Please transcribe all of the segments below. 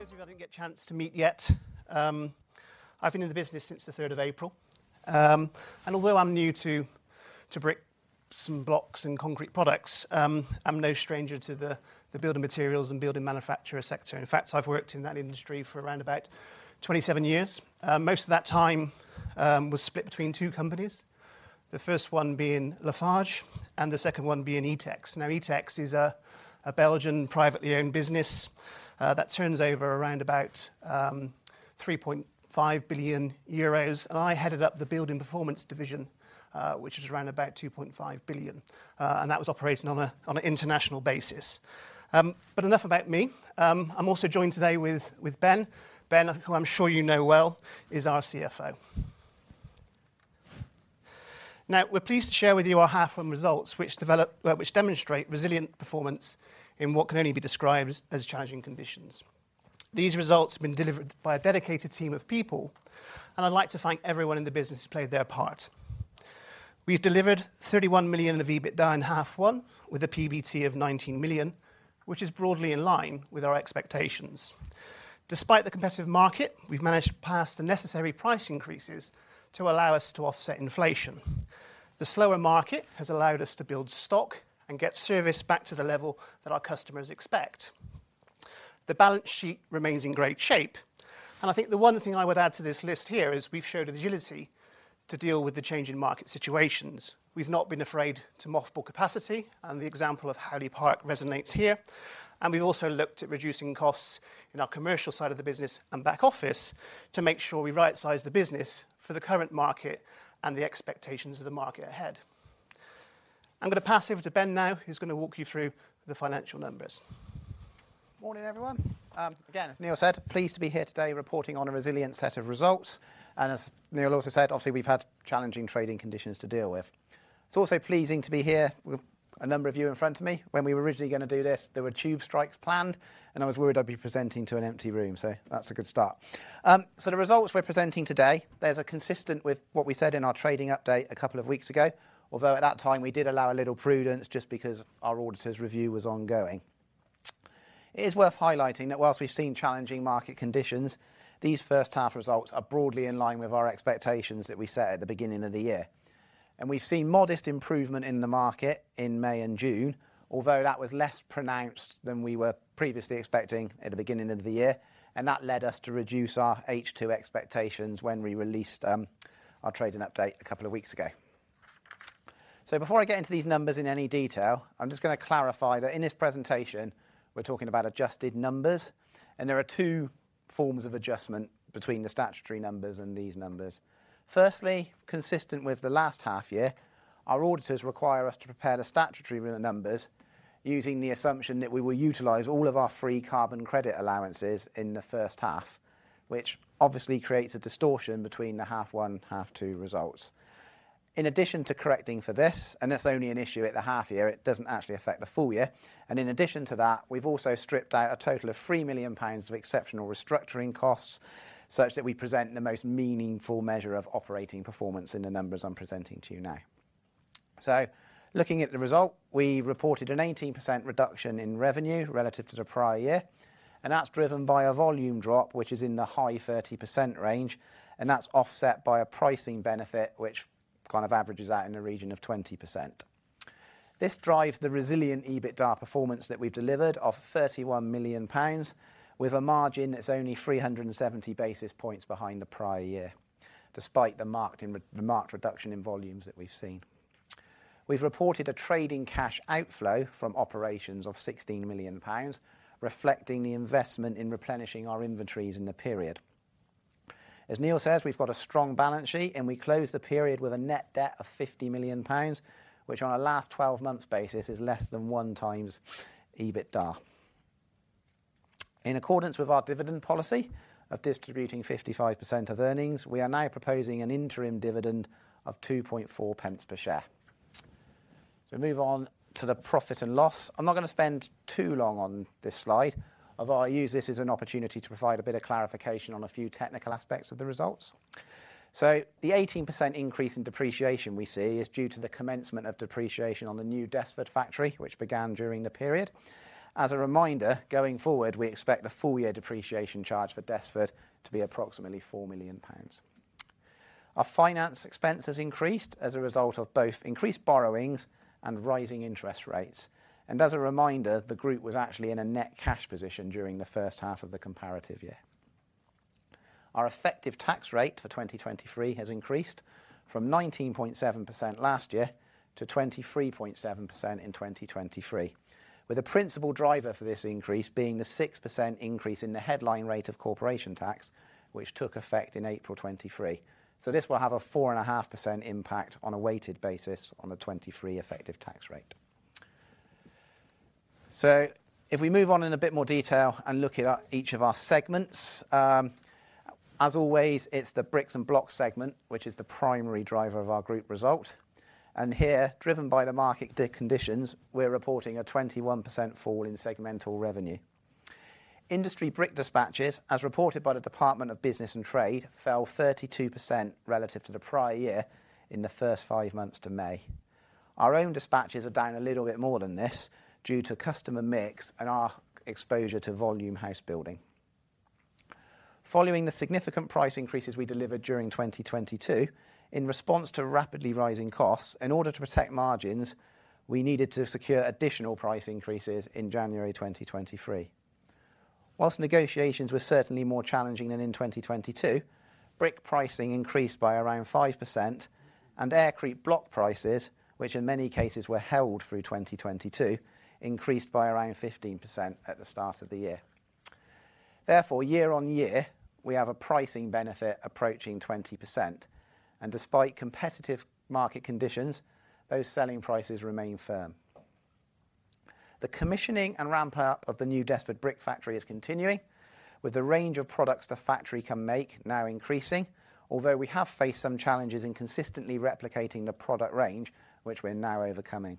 Those of you I didn't get a chance to meet yet, I've been in the business since the third of April. Although I'm new to bricks and blocks and concrete products, I'm no stranger to the building materials and building manufacturer sector. In fact, I've worked in that industry for around about 27 years. Most of that time was split between two companies, the first one being Lafarge, and the second one being Etex. Etex is a Belgian privately owned business that turns over around about 3.5 billion euros, and I headed up the Building Performance division, which is around about 2.5 billion. That was operating on an international basis. Enough about me. I'm also joined today with Ben. Ben, who I'm sure you know well, is our CFO. We're pleased to share with you our half one results, which demonstrate resilient performance in what can only be described as challenging conditions. These results have been delivered by a dedicated team of people. I'd like to thank everyone in the business who played their part. We've delivered 31 million of EBITDA in half one, with a PBT of 19 million, which is broadly in line with our expectations. Despite the competitive market, we've managed to pass the necessary price increases to allow us to offset inflation. The slower market has allowed us to build stock and get service back to the level that our customers expect. The balance sheet remains in great shape. I think the one thing I would add to this list here is we've showed agility to deal with the changing market situations. We've not been afraid to mothball capacity. The example of Howley Park resonates here. We've also looked at reducing costs in our commercial side of the business and back office to make sure we right-size the business for the current market and the expectations of the market ahead. I'm going to pass over to Ben now, who's going to walk you through the financial numbers. Morning, everyone. Again, as Neil said, pleased to be here today reporting on a resilient set of results. As Neil also said, obviously, we've had challenging trading conditions to deal with. It's also pleasing to be here with a number of you in front of me. When we were originally going to do this, there were tube strikes planned, and I was worried I'd be presenting to an empty room, so that's a good start. The results we're presenting today, those are consistent with what we said in our trading update two weeks ago, although at that time, we did allow a little prudence just because our auditor's review was ongoing. It is worth highlighting that whilst we've seen challenging market conditions, these first half results are broadly in line with our expectations that we set at the beginning of the year. We've seen modest improvement in the market in May and June, although that was less pronounced than we were previously expecting at the beginning of the year, and that led us to reduce our H2 expectations when we released, our trading update two weeks ago. Before I get into these numbers in any detail, I'm just going to clarify that in this presentation, we're talking about adjusted numbers, and there are two forms of adjustment between the statutory numbers and these numbers. Firstly, consistent with the last half year, our auditors require us to prepare the statutory numbers using the assumption that we will utilize all of our free carbon credit allowances in the first half, which obviously creates a distortion between the half one, half two results. In addition to correcting for this, and that's only an issue at the half year, it doesn't actually affect the full year, and in addition to that, we've also stripped out a total of 3 million pounds of exceptional restructuring costs, such that we present the most meaningful measure of operating performance in the numbers I'm presenting to you now. Looking at the result, we reported an 18% reduction in revenue relative to the prior year, and that's driven by a volume drop, which is in the high 30% range, and that's offset by a pricing benefit, which kind of averages out in the region of 20%. This drives the resilient EBITDA performance that we've delivered of 31 million pounds, with a margin that's only 370 basis points behind the prior year, despite the marked reduction in volumes that we've seen. We've reported a trading cash outflow from operations of 16 million pounds, reflecting the investment in replenishing our inventories in the period. As Neil says, we've got a strong balance sheet. We closed the period with a net debt of 50 million pounds, which on a last 12 months basis, is less than 1x EBITDA. In accordance with our dividend policy of distributing 55% of earnings, we are now proposing an interim dividend of 2.4 pence per share. Move on to the profit and loss. I'm not going to spend too long on this slide, although I use this as an opportunity to provide a bit of clarification on a few technical aspects of the results. The 18% increase in depreciation we see is due to the commencement of depreciation on the new Desford factory, which began during the period. As a reminder, going forward, we expect the full year depreciation charge for Desford to be approximately 4 million pounds. Our finance expense has increased as a result of both increased borrowings and rising interest rates, and as a reminder, the group was actually in a net cash position during the first half of the comparative year. Our effective tax rate for 2023 has increased from 19.7% last year to 23.7% in 2023, with the principal driver for this increase being the 6% increase in the headline rate of corporation tax, which took effect in April 2023. This will have a 4.5% impact on a weighted basis on the 2023 effective tax rate. If we move on in a bit more detail and look at each of our segments, as always, it's the bricks and blocks segment, which is the primary driver of our group result, and here, driven by the market conditions, we're reporting a 21% fall in segmental revenue. Industry brick dispatches, as reported by the Department for Business and Trade, fell 32% relative to the prior year in the first five months to May. Our own dispatches are down a little bit more than this due to customer mix and our exposure to volume house building. Following the significant price increases we delivered during 2022, in response to rapidly rising costs, in order to protect margins, we needed to secure additional price increases in January 2023. Whilst negotiations were certainly more challenging than in 2022, brick pricing increased by around 5%, and aircrete block prices, which in many cases were held through 2022, increased by around 15% at the start of the year. year-on-year, we have a pricing benefit approaching 20%, and despite competitive market conditions, those selling prices remain firm. The commissioning and ramp-up of the new Desford brick factory is continuing, with the range of products the factory can make now increasing. Although we have faced some challenges in consistently replicating the product range, which we're now overcoming.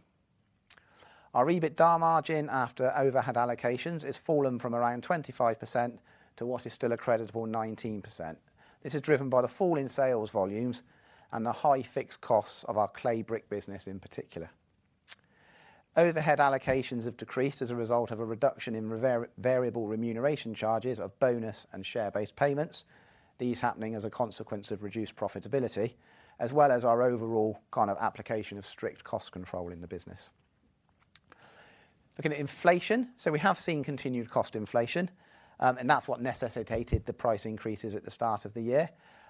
Our EBITDA margin after overhead allocations has fallen from around 25% to what is still a creditable 19%. This is driven by the fall in sales volumes and the high fixed costs of our clay brick business in particular. Overhead allocations have decreased as a result of a reduction in variable remuneration charges of bonus and share-based payments. These happening as a consequence of reduced profitability, as well as our overall kind of application of strict cost control in the business. Looking at inflation. We have seen continued cost inflation, and that's what necessitated the price increases at the start of the year.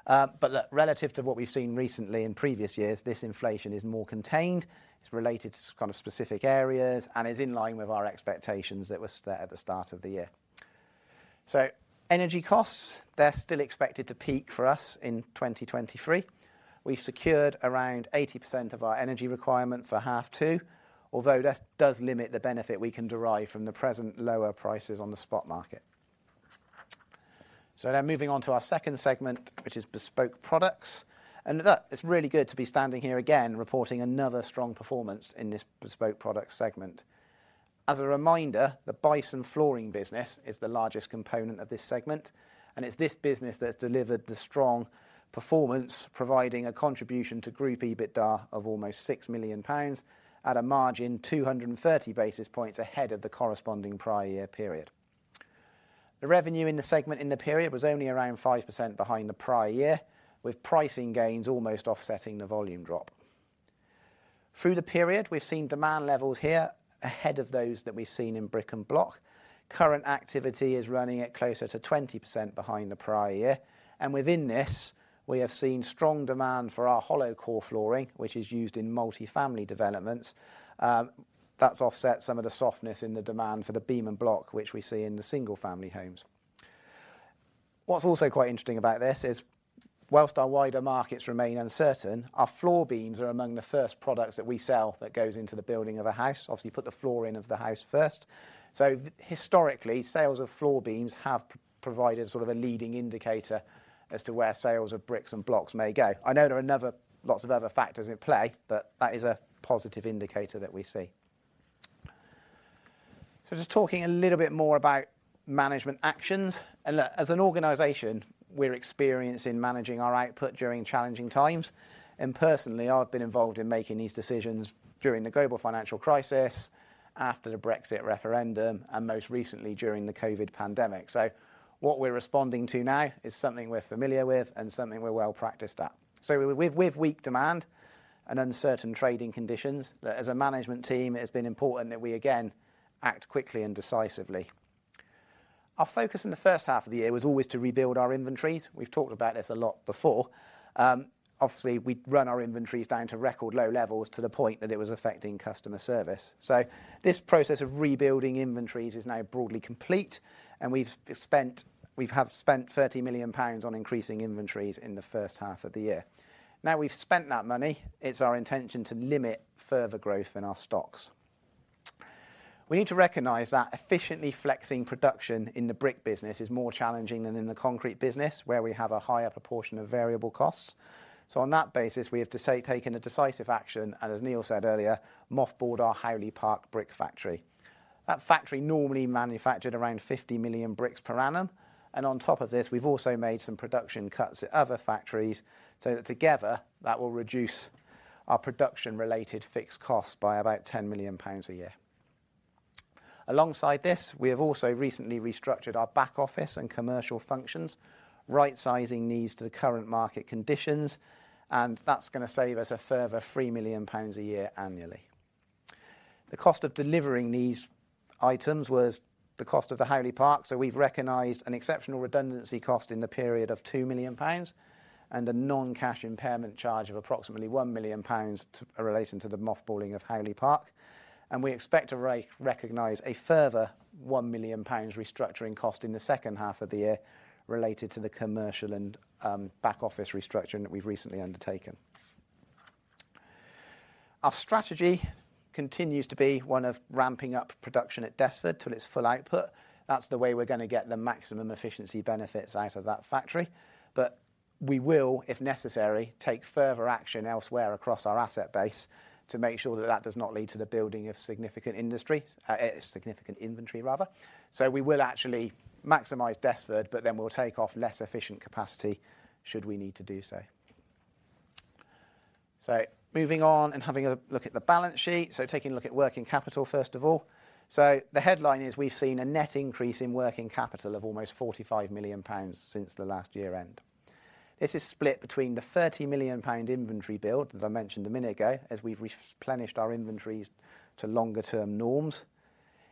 Look, relative to what we've seen recently in previous years, this inflation is more contained. It's related to kind of specific areas and is in line with our expectations that were set at the start of the year. Energy costs, they're still expected to peak for us in 2023. We secured around 80% of our energy requirement for half two, although this does limit the benefit we can derive from the present lower prices on the spot market. Now moving on to our second segment, which is bespoke products, and look, it's really good to be standing here again, reporting another strong performance in this bespoke product segment. As a reminder, the Bison Flooring business is the largest component of this segment, and it's this business that's delivered the strong performance, providing a contribution to group EBITDA of almost 6 million pounds at a margin 230 basis points ahead of the corresponding prior year period. The revenue in the segment in the period was only around 5% behind the prior year, with pricing gains almost offsetting the volume drop. Through the period, we've seen demand levels here ahead of those that we've seen in bricks and blocks. Current activity is running at closer to 20% behind the prior year, and within this, we have seen strong demand for our hollowcore flooring, which is used in multi-family developments. That's offset some of the softness in the demand for the beam and block, which we see in the single family homes. What's also quite interesting about this is, whilst our wider markets remain uncertain, our floor beams are among the first products that we sell that goes into the building of a house. Obviously, you put the floor in of the house first. Historically, sales of floor beams have provided sort of a leading indicator as to where sales of bricks and blocks may go. I know there are lots of other factors at play, but that is a positive indicator that we see. Just talking a little bit more about management actions. Look, as an organization, we're experienced in managing our output during challenging times, and personally, I've been involved in making these decisions during the global financial crisis, after the Brexit referendum, and most recently during the COVID pandemic. What we're responding to now is something we're familiar with and something we're well practiced at. With weak demand and uncertain trading conditions, as a management team, it has been important that we again act quickly and decisively. Our focus in the first half of the year was always to rebuild our inventories. We've talked about this a lot before. Obviously, we'd run our inventories down to record low levels, to the point that it was affecting customer service. This process of rebuilding inventories is now broadly complete, and we have spent 30 million pounds on increasing inventories in the first half of the year. Now we've spent that money, it's our intention to limit further growth in our stocks. We need to recognize that efficiently flexing production in the brick business is more challenging than in the concrete business, where we have a higher proportion of variable costs. On that basis, we have to say, taken a decisive action, and as Neil said earlier, mothballed our Howley Park brick factory. That factory normally manufactured around 50 million bricks per annum, and on top of this, we've also made some production cuts at other factories so that together, that will reduce our production-related fixed costs by about 10 million pounds a year. Alongside this, we have also recently restructured our back office and commercial functions, right sizing these to the current market conditions, and that's going to save us a further 3 million pounds a year annually. The cost of delivering these items was the cost of the Howley Park, so we've recognized an exceptional redundancy cost in the period of 2 million pounds and a non-cash impairment charge of approximately 1 million pounds relating to the mothballing of Howley Park. We expect to recognize a further 1 million pounds restructuring cost in the second half of the year related to the commercial and back office restructuring that we've recently undertaken. Our strategy continues to be one of ramping up production at Desford till its full output. That's the way we're going to get the maximum efficiency benefits out of that factory. We will, if necessary, take further action elsewhere across our asset base to make sure that that does not lead to the building of significant inventory rather. We will actually maximize Desford, we'll take off less efficient capacity should we need to do so. Moving on and having a look at the balance sheet, taking a look at working capital first of all. The headline is we've seen a net increase in working capital of almost 45 million pounds since the last year end. This is split between the 30 million pound inventory build, as I mentioned a minute ago, as we've replenished our inventories to longer term norms.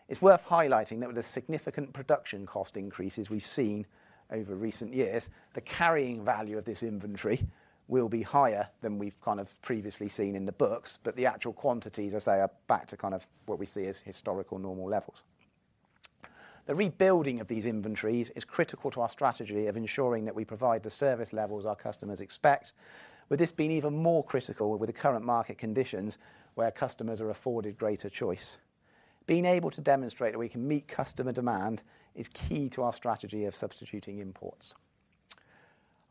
It's worth highlighting that with the significant production cost increases we've seen over recent years, the carrying value of this inventory will be higher than we've kind of previously seen in the books, but the actual quantities, as I say, are back to kind of what we see as historical normal levels. The rebuilding of these inventories is critical to our strategy of ensuring that we provide the service levels our customers expect, with this being even more critical with the current market conditions where customers are afforded greater choice. Being able to demonstrate that we can meet customer demand is key to our strategy of substituting imports.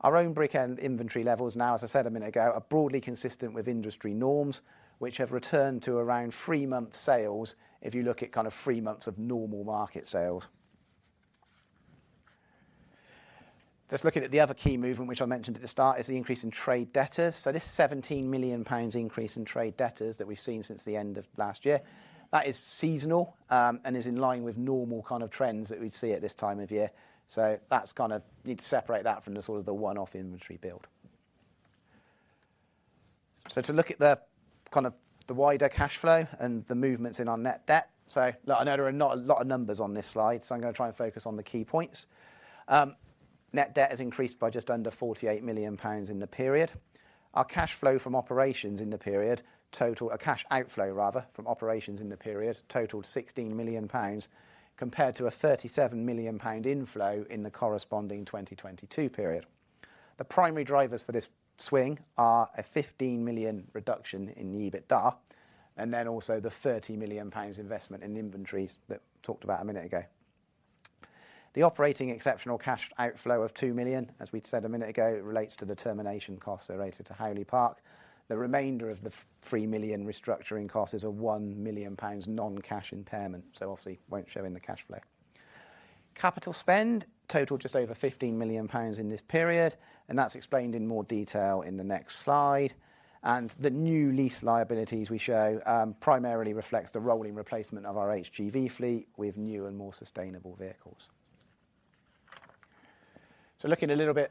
Our own brick and inventory levels now, as I said a minute ago, are broadly consistent with industry norms, which have returned to around three-month sales if you look at kind of thre months of normal market sales. Just looking at the other key movement, which I mentioned at the start, is the increase in trade debtors. This GBP 17 million increase in trade debtors that we've seen since the end of last year, that is seasonal, and is in line with normal kind of trends that we'd see at this time of year. That's kind of you'd separate that from the sort of the one-off inventory build. To look at the kind of wider cash flow and the movements in our net debt. I know there are not a lot of numbers on this slide, so I'm going to try and focus on the key points. Net debt has increased by just under 48 million pounds in the period. Our cash flow from operations in the period or cash outflow, rather, from operations in the period totaled 16 million pounds, compared to a 37 million pound inflow in the corresponding 2022 period. The primary drivers for this swing are a 15 million reduction in the EBITDA, and then also the 30 million pounds investment in inventories that I talked about a minute ago. The operating exceptional cash outflow of 2 million, as we said a minute ago, it relates to the termination costs related to Howley Park. The remainder of the 3 million restructuring costs is a 1 million pounds non-cash impairment, obviously won't show in the cash flow. Capital spend totaled just over 15 million pounds in this period, that's explained in more detail in the next slide. The new lease liabilities we show primarily reflects the rolling replacement of our HGV fleet with new and more sustainable vehicles. Looking a little bit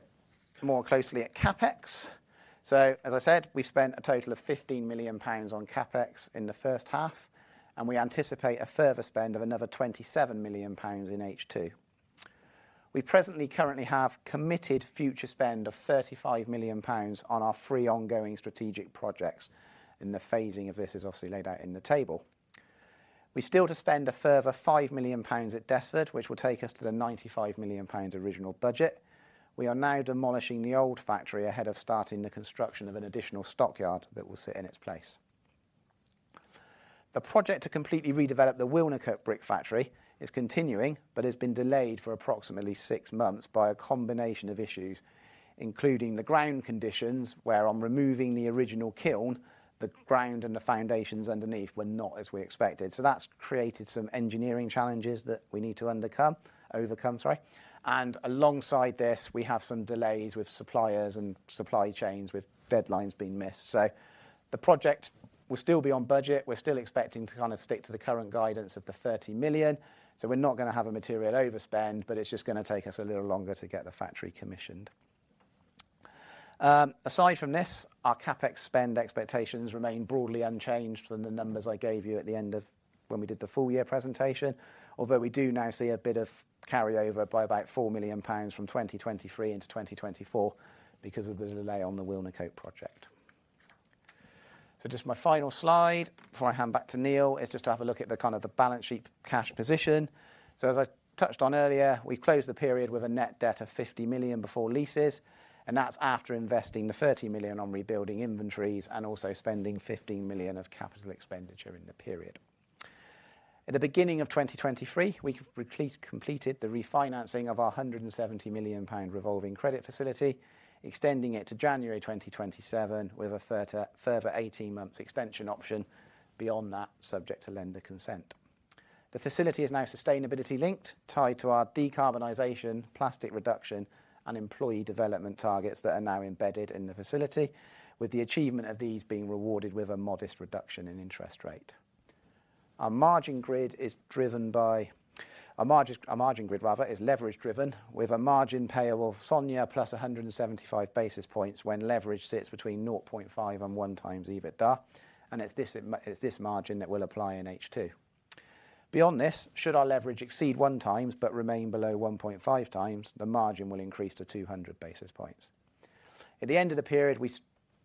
more closely at CapEx. As I said, we spent a total of 15 million pounds on CapEx in the first half, we anticipate a further spend of another 27 million pounds in H2. We presently currently have committed future spend of 35 million pounds on our three ongoing strategic projects, the phasing of this is obviously laid out in the table. We're still to spend a further 5 million pounds at Desford, which will take us to the 95 million pounds original budget. We are now demolishing the old factory ahead of starting the construction of an additional stockyard that will sit in its place. The project to completely redevelop the Wilnecote brick factory is continuing, but has been delayed for approximately six months by a combination of issues, including the ground conditions, where on removing the original kiln, the ground and the foundations underneath were not as we expected. That's created some engineering challenges that we need to overcome, sorry. Alongside this, we have some delays with suppliers and supply chains, with deadlines being missed. The project will still be on budget. We're still expecting to kind of stick to the current guidance of the 30 million, so we're not going to have a material overspend, but it's just going to take us a little longer to get the factory commissioned. Aside from this, our CapEx spend expectations remain broadly unchanged from the numbers I gave you at the end of when we did the full year presentation. Although we do now see a bit of carryover by about 4 million pounds from 2023 into 2024 because of the delay on the Wilnecote project. Just my final slide before I hand back to Neil, is just to have a look at the kind of the balance sheet cash position. As I touched on earlier, we closed the period with a net debt of 50 million before leases, and that's after investing the 30 million on rebuilding inventories and also spending 15 million of CapEx in the period. At the beginning of 2023, we completed the refinancing of our GBP 170 million revolving credit facility, extending it to January 2027, with a further 18 months extension option beyond that, subject to lender consent. The facility is now sustainability-linked, tied to our decarbonization, plastic reduction, and employee development targets that are now embedded in the facility, with the achievement of these being rewarded with a modest reduction in interest rate. Our margin grid, rather, is leverage driven, with a margin payable of SONIA plus 175 basis points when leverage sits between 0.5x and 1x EBITDA, and it's this margin that will apply in H2. Beyond this, should our leverage exceed 1x but remain below 1.5x, the margin will increase to 200 basis points. At the end of the period,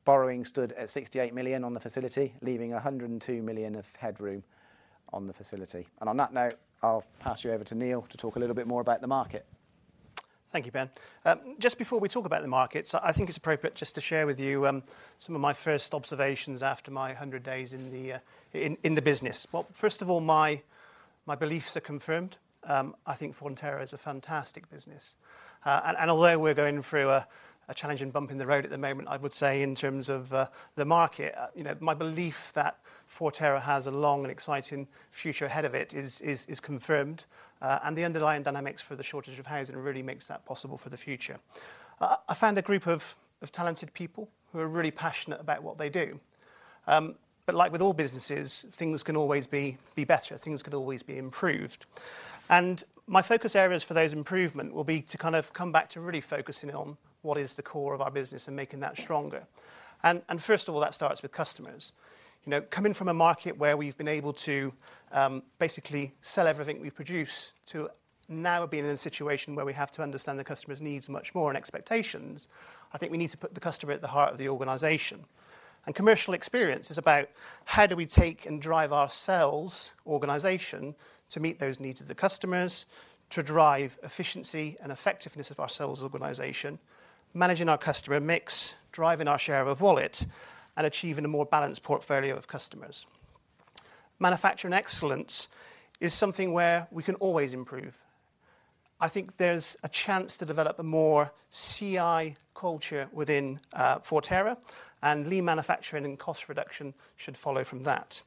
borrowing stood at 68 million on the facility, leaving 102 million of headroom on the facility. On that note, I'll pass you over to Neil to talk a little bit more about the market. Thank you, Ben. Just before we talk about the markets, I think it's appropriate just to share with you some of my first observations after my 100 days in the business. Well, first of all, my beliefs are confirmed. I think Forterra is a fantastic business. And although we're going through a challenging bump in the road at the moment, I would say in terms of the market, you know, my belief that Forterra has a long and exciting future ahead of it is confirmed, and the underlying dynamics for the shortage of housing really makes that possible for the future. I found a group of talented people who are really passionate about what they do. Like with all businesses, things can always be better, things could always be improved. My focus areas for those improvement will be to kind of come back to really focusing on what is the core of our business and making that stronger. First of all, that starts with customers. You know, coming from a market where we've been able to basically sell everything we produce, to now being in a situation where we have to understand the customer's needs much more and expectations, I think we need to put the customer at the heart of the organization. Commercial experience is about how do we take and drive our sales organization to meet those needs of the customers, to drive efficiency and effectiveness of our sales organization, managing our customer mix, driving our share of a wallet, and achieving a more balanced portfolio of customers. Manufacturing excellence is something where we can always improve. I think there's a chance to develop a more CI culture within Forterra, and lean manufacturing and cost reduction should follow from that.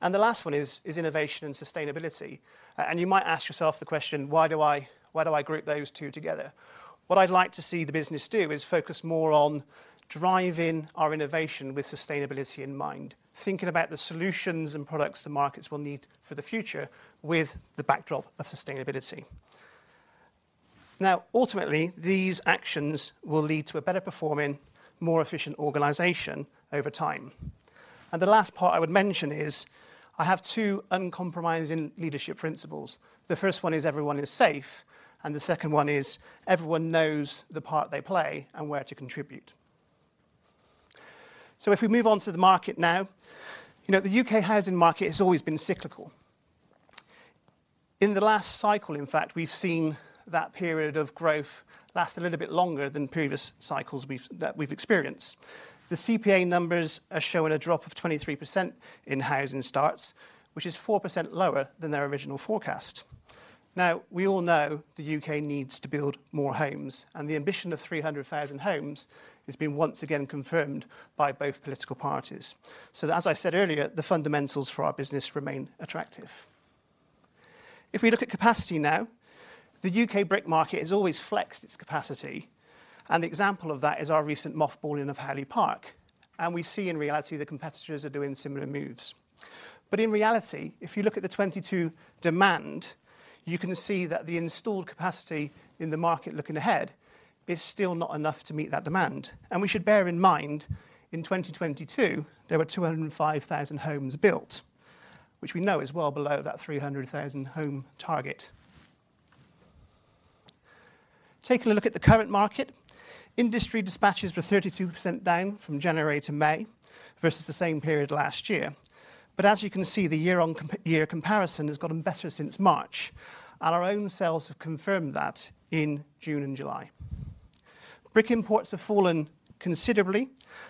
The last one is innovation and sustainability. You might ask yourself the question: Why do I group those two together? What I'd like to see the business do is focus more on driving our innovation with sustainability in mind, thinking about the solutions and products the markets will need for the future, with the backdrop of sustainability. Ultimately, these actions will lead to a better performing, more efficient organization over time. The last part I would mention is, I have two uncompromising leadership principles. The first one is, everyone is safe, and the second one is, everyone knows the part they play and where to contribute. If we move on to the market now, you know, the U.K. housing market has always been cyclical. In the last cycle, in fact, we've seen that period of growth last a little bit longer than previous cycles that we've experienced. The CPA numbers are showing a drop of 23% in housing starts, which is 4% lower than their original forecast. We all know the U.K. needs to build more homes, and the ambition of 300,000 homes has been once again confirmed by both political parties. As I said earlier, the fundamentals for our business remain attractive. If we look at capacity now, the U.K. brick market has always flexed its capacity, and the example of that is our recent mothballing of Howley Park, and we see in reality, the competitors are doing similar moves. In reality, if you look at the 2022 demand, you can see that the installed capacity in the market looking ahead, is still not enough to meet that demand. We should bear in mind, in 2022, there were 205,000 homes built, which we know is well below that 300,000 home target. Taking a look at the current market, industry dispatches were 32% down from January to May versus the same period last year. As you can see, the year-on-year comparison has gotten better since March, and our own sales have confirmed that in June and July. Brick imports have fallen considerably,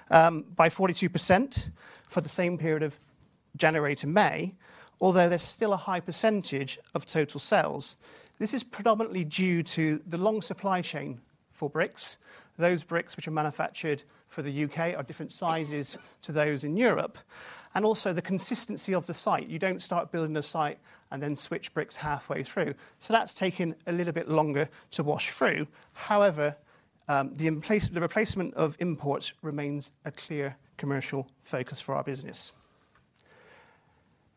by 42% for the same period of January to May, although they're still a high percentage of total sales. This is predominantly due to the long supply chain for bricks. Those bricks which are manufactured for the U.K. are different sizes to those in Europe, and also the consistency of the site. You don't start building a site and then switch bricks halfway through, that's taken a little bit longer to wash through. However, the replacement of imports remains a clear commercial focus for our business.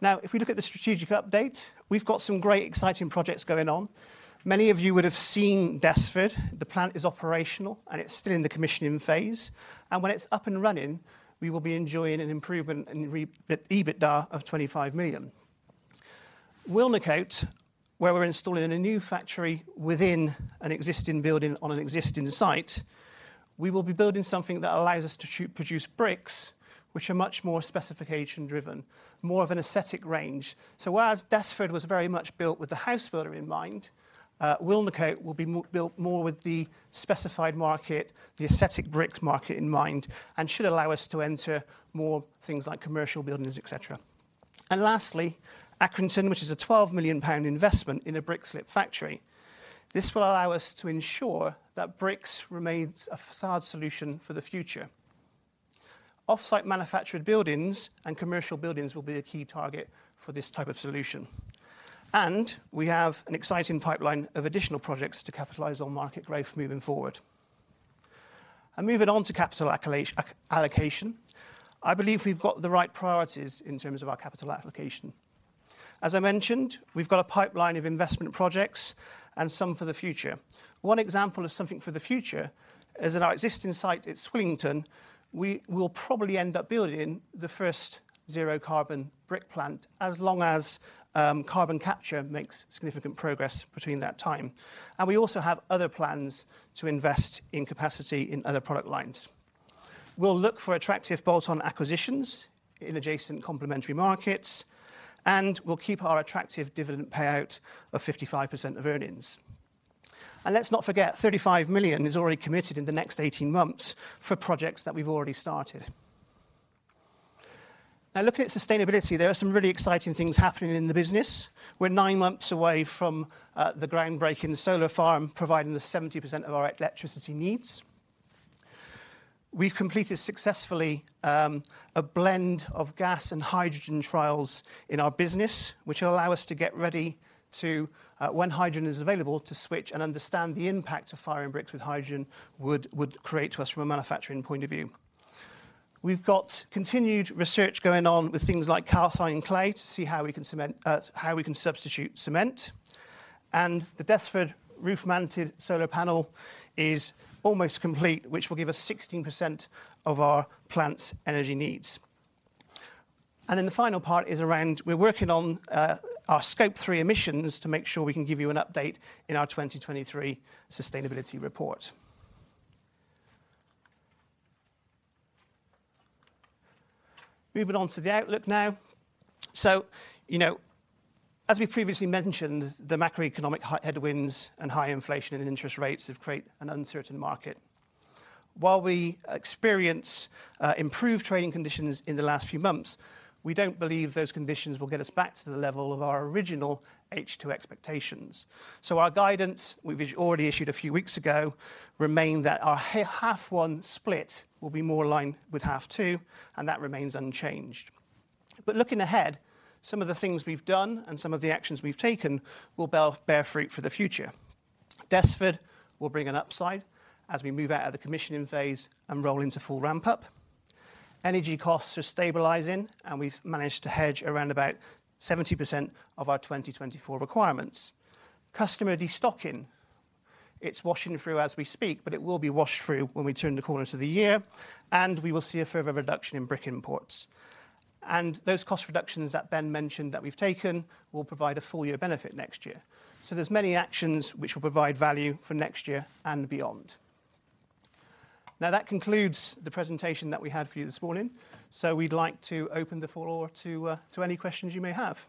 If we look at the strategic update, we've got some great exciting projects going on. Many of you would have seen Desford. The plant is operational, and it's still in the commissioning phase, and when it's up and running, we will be enjoying an improvement in EBITDA of 25 million. Wilnecote, where we're installing a new factory within an existing building on an existing site, we will be building something that allows us to produce bricks, which are much more specification-driven, more of an aesthetic range. Whereas Desford was very much built with the house builder in mind, Wilnecote will be built more with the specified market, the aesthetic bricks market in mind, and should allow us to enter more things like commercial buildings, et cetera. Lastly, Accrington, which is a 12 million pound investment in a brick slips factory. This will allow us to ensure that bricks remains a facade solution for the future. Offsite manufactured buildings and commercial buildings will be a key target for this type of solution. We have an exciting pipeline of additional projects to capitalize on market growth moving forward. Moving on to capital allocation, I believe we've got the right priorities in terms of our capital allocation. As I mentioned, we've got a pipeline of investment projects and some for the future. One example of something for the future is in our existing site at Swillington, we will probably end up building the first zero carbon brick plant, as long as carbon capture makes significant progress between that time. We also have other plans to invest in capacity in other product lines. We'll look for attractive bolt-on acquisitions in adjacent complementary markets, and we'll keep our attractive dividend payout of 55% of earnings. Let's not forget, 35 million is already committed in the next 18 months for projects that we've already started. Looking at sustainability, there are some really exciting things happening in the business. We're 9 months away from the groundbreaking solar farm, providing us 70% of our electricity needs. We've completed successfully a blend of gas and hydrogen trials in our business, which will allow us to get ready to when hydrogen is available, to switch and understand the impact of firing bricks with hydrogen would create to us from a manufacturing point of view. We've got continued research going on with things like calcined clay to see how we can substitute cement. The Desford roof-mounted solar panel is almost complete, which will give us 16% of our plant's energy needs. The final part is around we're working on our Scope 3 emissions to make sure we can give you an update in our 2023 sustainability report. Moving on to the outlook now. You know, as we previously mentioned, the macroeconomic headwinds and high inflation and interest rates have created an uncertain market. While we experience improved trading conditions in the last few months, we don't believe those conditions will get us back to the level of our original H2 expectations. Our guidance, we've already issued a few weeks ago, remain that our Half 1 split will be more aligned with Half 2, and that remains unchanged. Looking ahead, some of the things we've done and some of the actions we've taken will bear fruit for the future. Desford will bring an upside as we move out of the commissioning phase and roll into full ramp-up. Energy costs are stabilizing, and we've managed to hedge around about 70% of our 2024 requirements. Customer destocking, it's washing through as we speak, but it will be washed through when we turn the corner to the year, and we will see a further reduction in brick imports. Those cost reductions that Ben mentioned that we've taken will provide a full year benefit next year. There's many actions which will provide value for next year and beyond. That concludes the presentation that we had for you this morning. We'd like to open the floor to any questions you may have.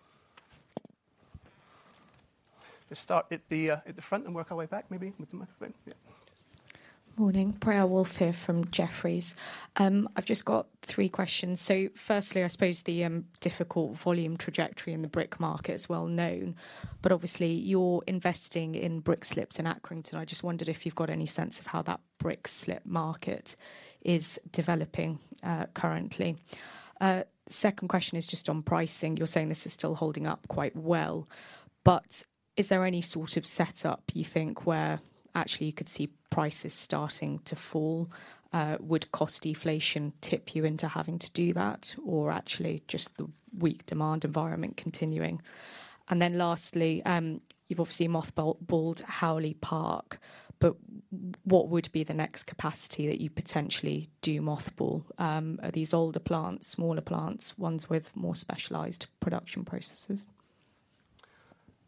Just start at the front and work our way back, maybe with the microphone. Yeah. Morning, Priya Woolf here from Jefferies. I've just got three questions. Firstly, I suppose the difficult volume trajectory in the brick market is well known, but obviously, you're investing in brick slips in Accrington. I just wondered if you've got any sense of how that brick slip market is developing currently. Second question is just on pricing. You're saying this is still holding up quite well, but is there any sort of setup, you think, where actually you could see prices starting to fall? Would cost deflation tip you into having to do that, or actually just the weak demand environment continuing? Lastly, you've obviously mothballed Howley Park, but what would be the next capacity that you potentially do mothball? Are these older plants, smaller plants, ones with more specialized production processes?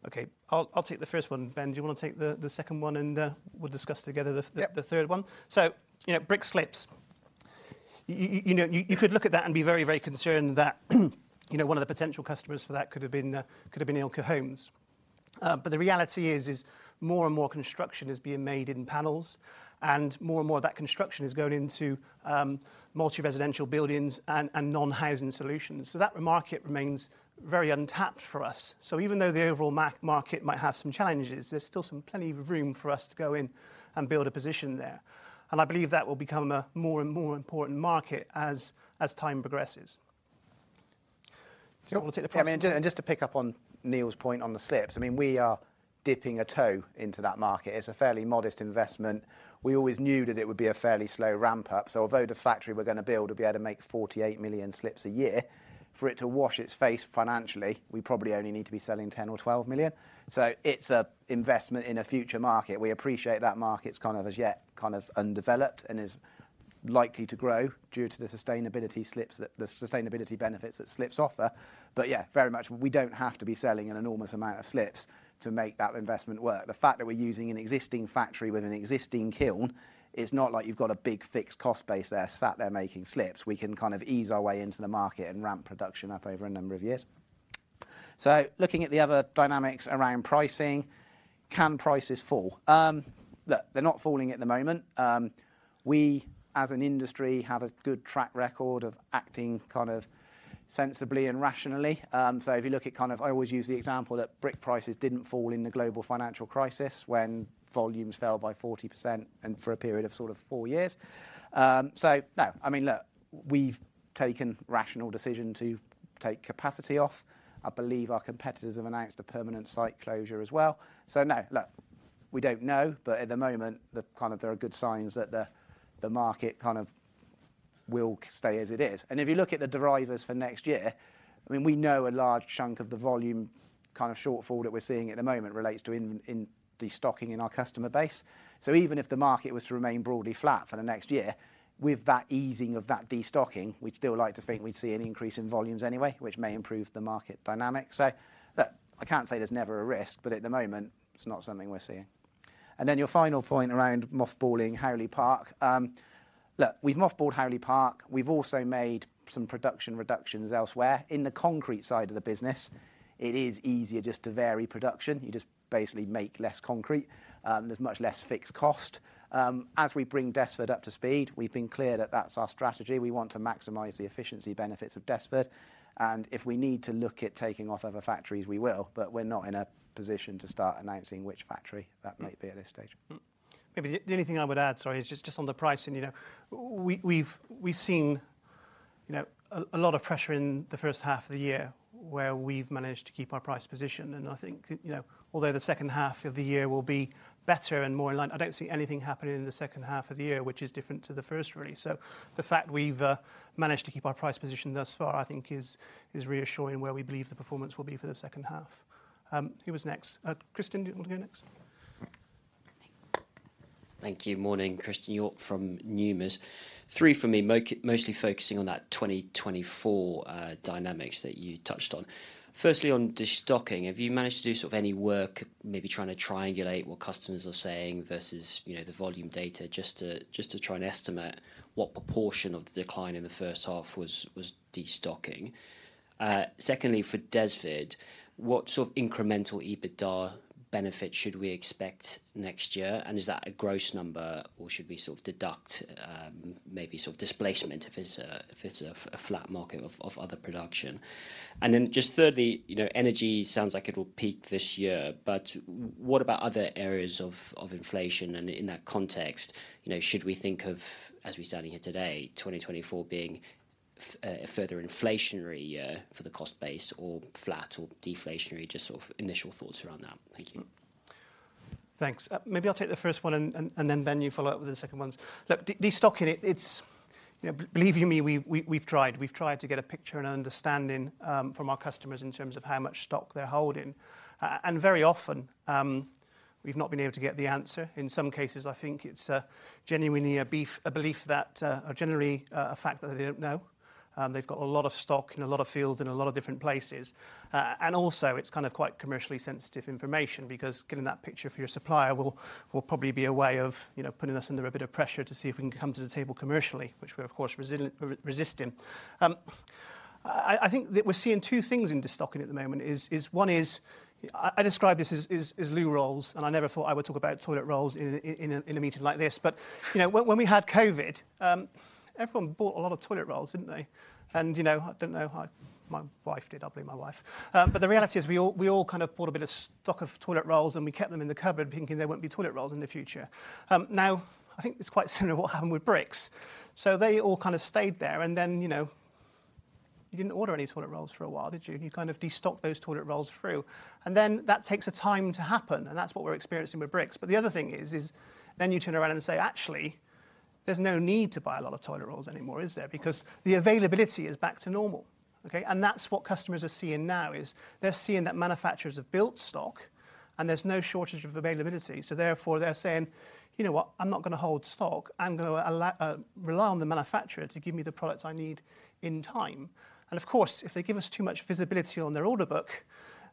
Okay, I'll take the first one. Ben, do you want to take the second one, and we'll discuss together. the third one? You know, brick slips, you know, you could look at that and be very, very concerned that, you know, one of the potential customers for that could have been, could have been Ilke Homes. The reality is more and more construction is being made in panels, and more and more of that construction is going into multi-residential buildings and non-housing solutions. That market remains very untapped for us. Even though the overall market might have some challenges, there's still some plenty of room for us to go in and build a position there. I believe that will become a more and more important market as time progresses. Do you want to take the price? Yeah, I mean, and just to pick up on Neil's point on the slips, I mean, we are dipping a toe into that market. It's a fairly modest investment. We always knew that it would be a fairly slow ramp-up, so although the factory we're going to build will be able to make 48 million slips a year, for it to wash its face financially, we probably only need to be selling 10 or 12 million. It's a investment in a future market. We appreciate that market's kind of as yet, kind of undeveloped and is likely to grow due to the sustainability benefits that slips offer. Yeah, very much we don't have to be selling an enormous amount of slips to make that investment work. The fact that we're using an existing factory with an existing kiln, is not like you've got a big fixed cost base there, sat there, making slips. We can kind of ease our way into the market and ramp production up over a number of years. Looking at the other dynamics around pricing, can prices fall? Look, they're not falling at the moment. We, as an industry, have a good track record of acting kind of sensibly and rationally. If you look at, I always use the example that brick prices didn't fall in the global financial crisis, when volumes fell by 40% and for a period of sort of four years. No, I mean, look, we've taken rational decision to take capacity off. I believe our competitors have announced a permanent site closure as well. No, look, we don't know, but at the moment, the kind of there are good signs that the market kind of will stay as it is. If you look at the derivatives for next year, I mean, we know a large chunk of the volume kind of shortfall that we're seeing at the moment relates to in destocking in our customer base. Even if the market was to remain broadly flat for the next year, with that easing of that destocking, we'd still like to think we'd see an increase in volumes anyway, which may improve the market dynamic. Look, I can't say there's never a risk, but at the moment it's not something we're seeing. Your final point around mothballing Howley Park. Look, we've mothballed Howley Park. We've also made some production reductions elsewhere. In the concrete side of the business, it is easier just to vary production. You just basically make less concrete, there's much less fixed cost. As we bring Desford up to speed, we've been clear that that's our strategy. We want to maximize the efficiency benefits of Desford, and if we need to look at taking off other factories, we will, but we're not in a position to start announcing which factory that might be at this stage. Maybe the only thing I would add, sorry, is just on the pricing. You know, we've seen you know, a lot of pressure in the first half of the year, where we've managed to keep our price position. I think, you know, although the second half of the year will be better and more in line, I don't see anything happening in the second half of the year, which is different to the first, really. The fact we've managed to keep our price position thus far, I think, is reassuring where we believe the performance will be for the second half. Who was next? Christian, do you want to go next? Thank you. Morning, Christian York from Numis. Three for me, mostly focusing on that 2024 dynamics that you touched on. Firstly, on destocking, have you managed to do sort of any work, maybe trying to triangulate what customers are saying versus, you know, the volume data, just to try and estimate what proportion of the decline in the first half was destocking? Secondly, for Desford, what sort of incremental EBITDA benefit should we expect next year? Is that a gross number, or should we sort of deduct, maybe sort of displacement if it's a flat market of other production? Just thirdly, you know, energy sounds like it will peak this year, but what about other areas of inflation? In that context, you know, should we think of, as we're standing here today, 2024 being a further inflationary year for the cost base or flat or deflationary? Just sort of initial thoughts around that. Thank you. Thanks. maybe I'll take the first one, and then, Ben, you follow up with the second ones. Look, destocking, it's. You know, believe you me, we've tried. We've tried to get a picture and an understanding from our customers in terms of how much stock they're holding. Very often, we've not been able to get the answer. In some cases, I think it's genuinely a belief that or generally a fact that they don't know. They've got a lot of stock in a lot of fields, in a lot of different places. Also, it's kind of quite commercially sensitive information because getting that picture from your supplier will probably be a way of, you know, putting us under a bit of pressure to see if we can come to the table commercially, which we're, of course, resisting. I think that we're seeing two things in destocking at the moment is one is, I describe this as, as loo rolls, and I never thought I would talk about toilet rolls in a, in a, in a meeting like this. You know, when we had COVID, everyone bought a lot of toilet rolls, didn't they? You know, I don't know how my wife did. I blame my wife. The reality is, we all, we all kind of bought a bit of stock of toilet rolls, and we kept them in the cupboard, thinking there wouldn't be toilet rolls in the future. Now, I think it's quite similar what happened with bricks. They all kind of stayed there, and then, you know, you didn't order any toilet rolls for a while, did you? You kind of destocked those toilet rolls through, and then that takes a time to happen, and that's what we're experiencing with bricks. The other thing is then you turn around and say: "Actually, there's no need to buy a lot of toilet rolls anymore, is there?" Because the availability is back to normal, okay? That's what customers are seeing now, is they're seeing that manufacturers have built stock, and there's no shortage of availability. Therefore, they're saying: "You know what? I'm not going to hold stock. I'm going to rely on the manufacturer to give me the products I need in time." Of course, if they give us too much visibility on their order book,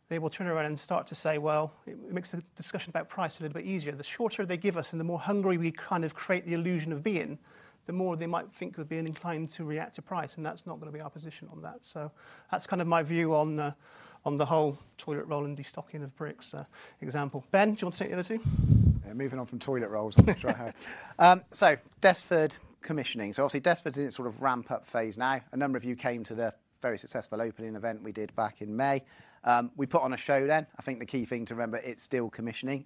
they will turn around and start to say, "Well," it makes the discussion about price a little bit easier. The shorter they give us and the more hungry we kind of create the illusion of being, the more they might think we'd be inclined to react to price, and that's not going to be our position on that. That's kind of my view on the whole toilet roll and destocking of bricks example. Ben, do you want to take the other two? Yeah, moving on from toilet rolls. Not sure how. Desford commissioning. Obviously, Desford's in its sort of ramp-up phase now. A number of you came to the very successful opening event we did back in May. We put on a show then. I think the key thing to remember, it's still commissioning.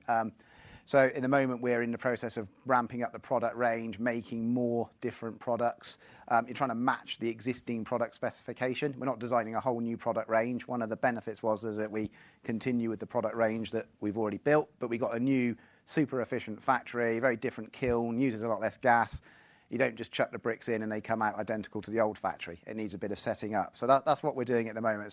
In the moment, we're in the process of ramping up the product range, making more different products. We're trying to match the existing product specification. We're not designing a whole new product range. One of the benefits was, is that we continue with the product range that we've already built, we got a new super efficient factory, very different kiln, uses a lot less gas. You don't just chuck the bricks in, they come out identical to the old factory. It needs a bit of setting up. That's what we're doing at the moment.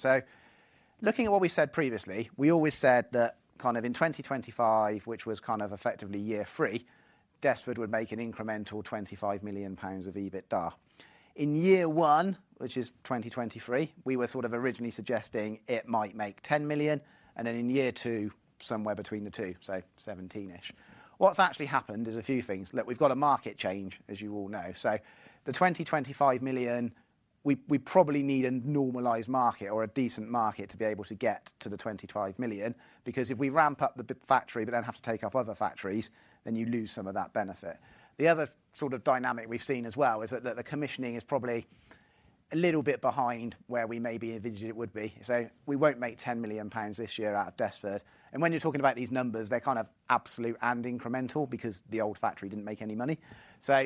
Looking at what we said previously, we always said that in 2025, which was effectively year three, Desford would make an incremental 25 million pounds of EBITDA. In year one, which is 2023, we were originally suggesting it might make 10 million, and then in year two, somewhere between the two, so 17-ish. What's actually happened is a few things. Look, we've got a market change, as you all know. The 20 million-25 million, we probably need a normalized market or a decent market to be able to get to the 25 million, because if we ramp-up the factory but then have to take up other factories, then you lose some of that benefit. The other sort of dynamic we've seen as well is that the commissioning is probably a little bit behind where we maybe envisioned it would be. We won't make 10 million pounds this year out of Desford. When you're talking about these numbers, they're kind of absolute and incremental because the old factory didn't make any money.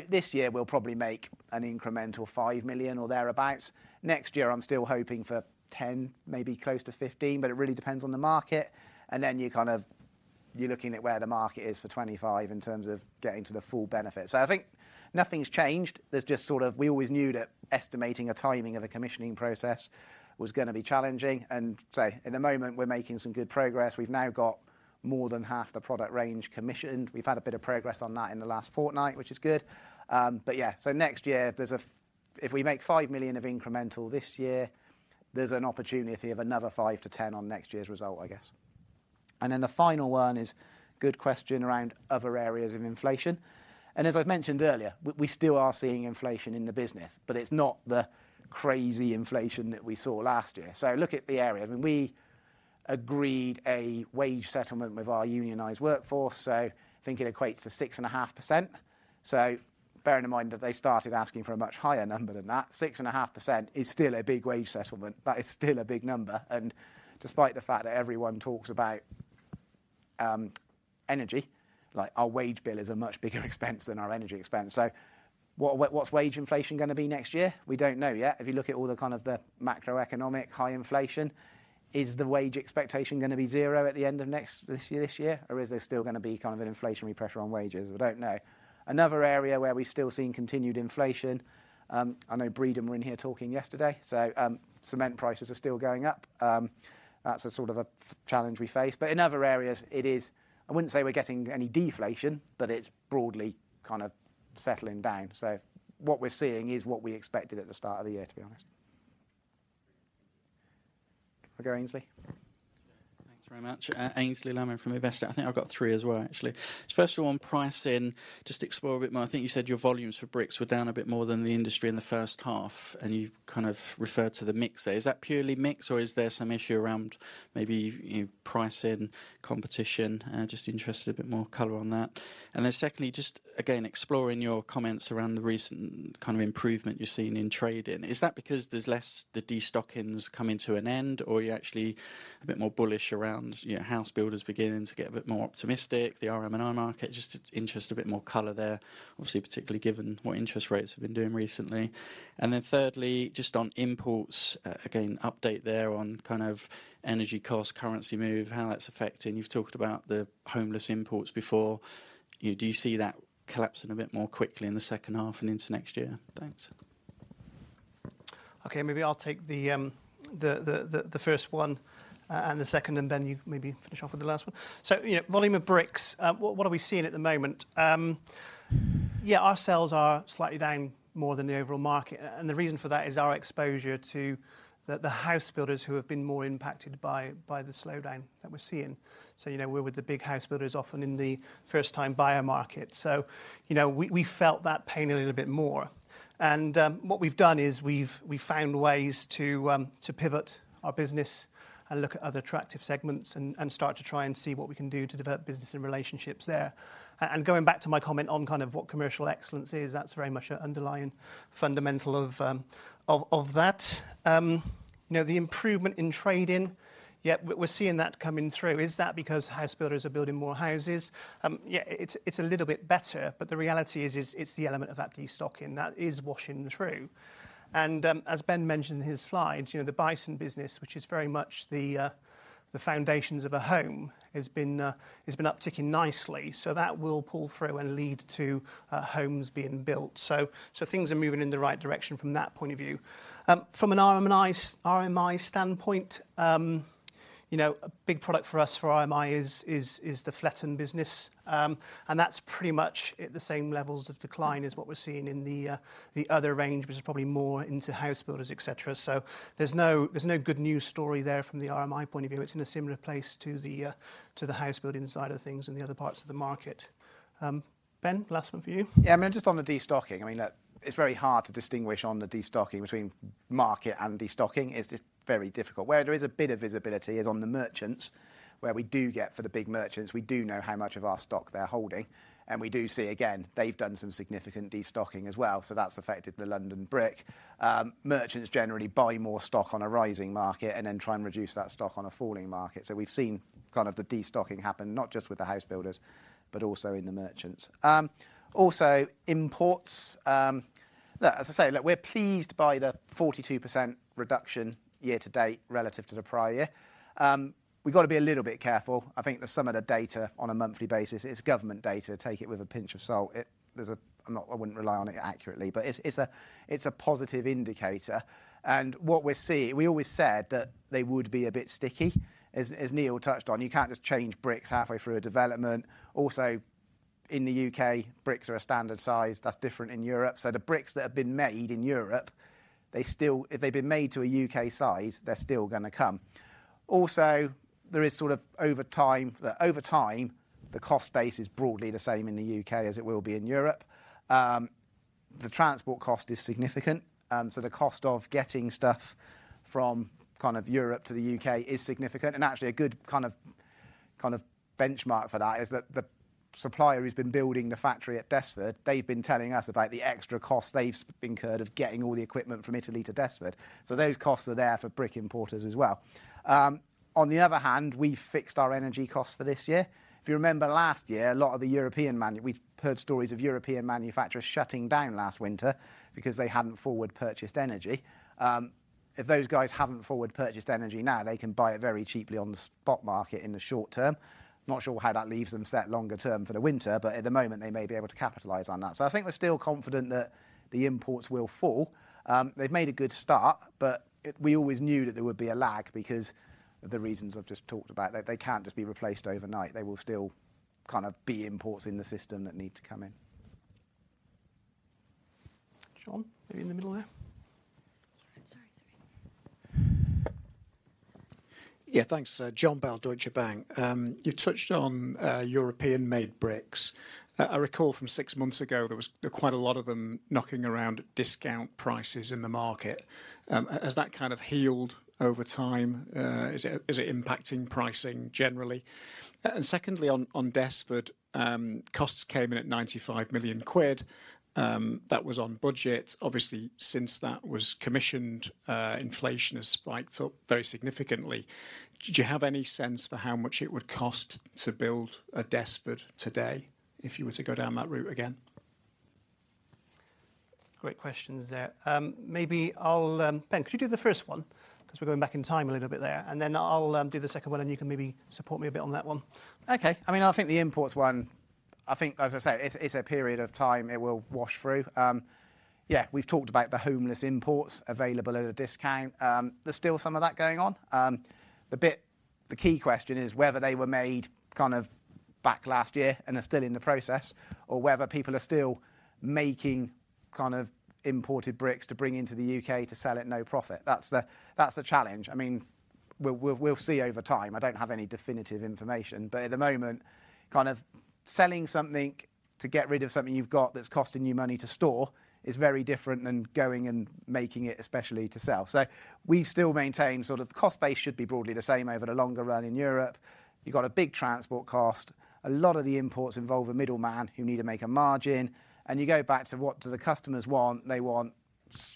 This year, we'll probably make an incremental 5 million or thereabouts. Next year, I'm still hoping for 10 million, maybe close to 15 million, but it really depends on the market. You kind of, you're looking at where the market is for 2025 in terms of getting to the full benefit. I think nothing's changed. There's just sort of. We always knew that estimating a timing of a commissioning process was going to be challenging. In the moment, we're making some good progress. We've now got more than half the product range commissioned. We've had a bit of progress on that in the last fortnight, which is good. Next year, if we make 5 million of incremental this year, there's an opportunity of another 5 million-10 million on next year's result, I guess. The final one is good question around other areas of inflation. As I mentioned earlier, we still are seeing inflation in the business, but it's not the crazy inflation that we saw last year. Look at the area. I mean, we agreed a wage settlement with our unionized workforce, I think it equates to 6.5%. Bearing in mind that they started asking for a much higher number than that, 6.5% is still a big wage settlement. That is still a big number. Despite the fact that everyone talks about energy, like our wage bill is a much bigger expense than our energy expense. What's wage inflation going to be next year? We don't know yet. If you look at all the kind of the macroeconomic high inflation, is the wage expectation going to be 0 at the end of next, this year, or is there still going to be kind of an inflationary pressure on wages? We don't know. Another area where we're still seeing continued inflation, I know Breedon were in here talking yesterday, cement prices are still going up. That's a sort of a challenge we face. In other areas I wouldn't say we're getting any deflation, but it's broadly kind of settling down. What we're seeing is what we expected at the start of the year, to be honest. Go, Aynsley. Thanks very much. Aynsley Lammin from Investec. I think I've got three as well, actually. First of all, on pricing, just explore a bit more. I think you said your volumes for bricks were down a bit more than the industry in the first half, and you kind of referred to the mix there. Is that purely mix, or is there some issue around maybe, you know, pricing, competition? Just interested a bit more color on that. Secondly, just again, exploring your comments around the recent kind of improvement you're seeing in trading. Is that because there's less, the destockings coming to an end, or are you actually a bit more bullish around, you know, house builders beginning to get a bit more optimistic, the RMI market? Just interested, a bit more color there. Obviously, particularly given what interest rates have been doing recently. thirdly, just on imports, again, update there on kind of energy cost, currency move, how that's affecting? Do you see that collapsing a bit more quickly in the second half and into next year? Thanks. Okay, maybe I'll take the first one, and the second, and Ben, you maybe finish off with the last one. You know, volume of bricks, what are we seeing at the moment? Yeah, our sales are slightly down more than the overall market, and the reason for that is our exposure to the house builders who have been more impacted by the slowdown that we're seeing. You know, we're with the big house builders, often in the first-time buyer market, so, you know, we felt that pain a little bit more. What we've done is we've found ways to pivot our business and look at other attractive segments and start to try and see what we can do to develop business and relationships there. Going back to my comment on kind of what commercial excellence is, that's very much an underlying fundamental of that. You know, the improvement in trading, yeah, we're seeing that coming through. Is that because house builders are building more houses? Yeah, it's a little bit better, but the reality is it's the element of that destocking that is washing through. As Ben mentioned in his slides, you know, the Bison business, which is very much the foundations of a home, has been upticking nicely, so that will pull through and lead to homes being built. Things are moving in the right direction from that point of view. From an RMI standpoint, you know, a big product for us for RMI is the Fletton business. That's pretty much at the same levels of decline as what we're seeing in the other range, which is probably more into house builders, et cetera. There's no, there's no good news story there from the RMI point of view. It's in a similar place to the, to the house building side of things and the other parts of the market. Ben, last one for you? I mean, just on the destocking, I mean, look, it's very hard to distinguish on the destocking between market and destocking. It's just very difficult. Where there is a bit of visibility is on the merchants, where we do get for the big merchants, we do know how much of our stock they're holding, and we do see, again, they've done some significant destocking as well, so that's affected the London Brick. Merchants generally buy more stock on a rising market and then try and reduce that stock on a falling market. We've seen kind of the destocking happen, not just with the house builders, but also in the merchants. Also imports, look, as I say, look, we're pleased by the 42% reduction year-to-date relative to the prior year. We've got to be a little bit careful. I think that some of the data on a monthly basis, it's government data, take it with a pinch of salt. I'm not, I wouldn't rely on it accurately, but it's a positive indicator. What we're seeing, we always said that they would be a bit sticky. As Neil touched on, you can't just change bricks halfway through a development. In the U.K., bricks are a standard size. That's different in Europe. The bricks that have been made in Europe, they still, if they've been made to a U.K. size, they're still going to come. There is sort of over time, the cost base is broadly the same in the U.K. as it will be in Europe. The transport cost is significant, the cost of getting stuff from kind of Europe to the U.K. is significant, and actually a good kind of benchmark for that is that the supplier who's been building the factory at Desford, they've been telling us about the extra cost they've incurred of getting all the equipment from Italy to Desford. Those costs are there for brick importers as well. On the other hand, we fixed our energy costs for this year. If you remember last year, a lot of the European manufacturers shutting down last winter because they hadn't forward-purchased energy. If those guys haven't forward-purchased energy now, they can buy it very cheaply on the spot market in the short-term. Not sure how that leaves them set longer term for the winter, but at the moment they may be able to capitalize on that. I think we're still confident that the imports will fall. They've made a good start, but we always knew that there would be a lag because of the reasons I've just talked about, that they can't just be replaced overnight. There will still kind of be imports in the system that need to come in. Jon, are you in the middle there? Sorry, sorry. Yeah, thanks. Jon Bell, Deutsche Bank. You touched on European-made bricks. I recall from six months ago, there was quite a lot of them knocking around at discount prices in the market. Has that kind of healed over time? Is it impacting pricing generally? Secondly, on Desford, costs came in at 95 million quid. That was on budget. Obviously, since that was commissioned, inflation has spiked up very significantly. Do you have any sense for how much it would cost to build a Desford today if you were to go down that route again? Great questions there. Ben, could you do the first one? Because we're going back in time a little bit there. I'll do the second one. You can maybe support me a bit on that one. Okay. I mean, I think the imports one, as I said, it's a period of time it will wash through. Yeah, we've talked about the low-cost imports available at a discount. There's still some of that going on. The key question is whether they were made kind of back last year and are still in the process, or whether people are still making kind of imported bricks to bring into the U.K. to sell at no profit. That's the challenge. I mean, we'll see over time. I don't have any definitive information. At the moment, kind of selling something to get rid of something you've got that's costing you money to store is very different than going and making it especially to sell. We still maintain sort of the cost base should be broadly the same over the longer run in Europe. You've got a big transport cost. A lot of the imports involve a middleman who need to make a margin, and you go back to what do the customers want? They want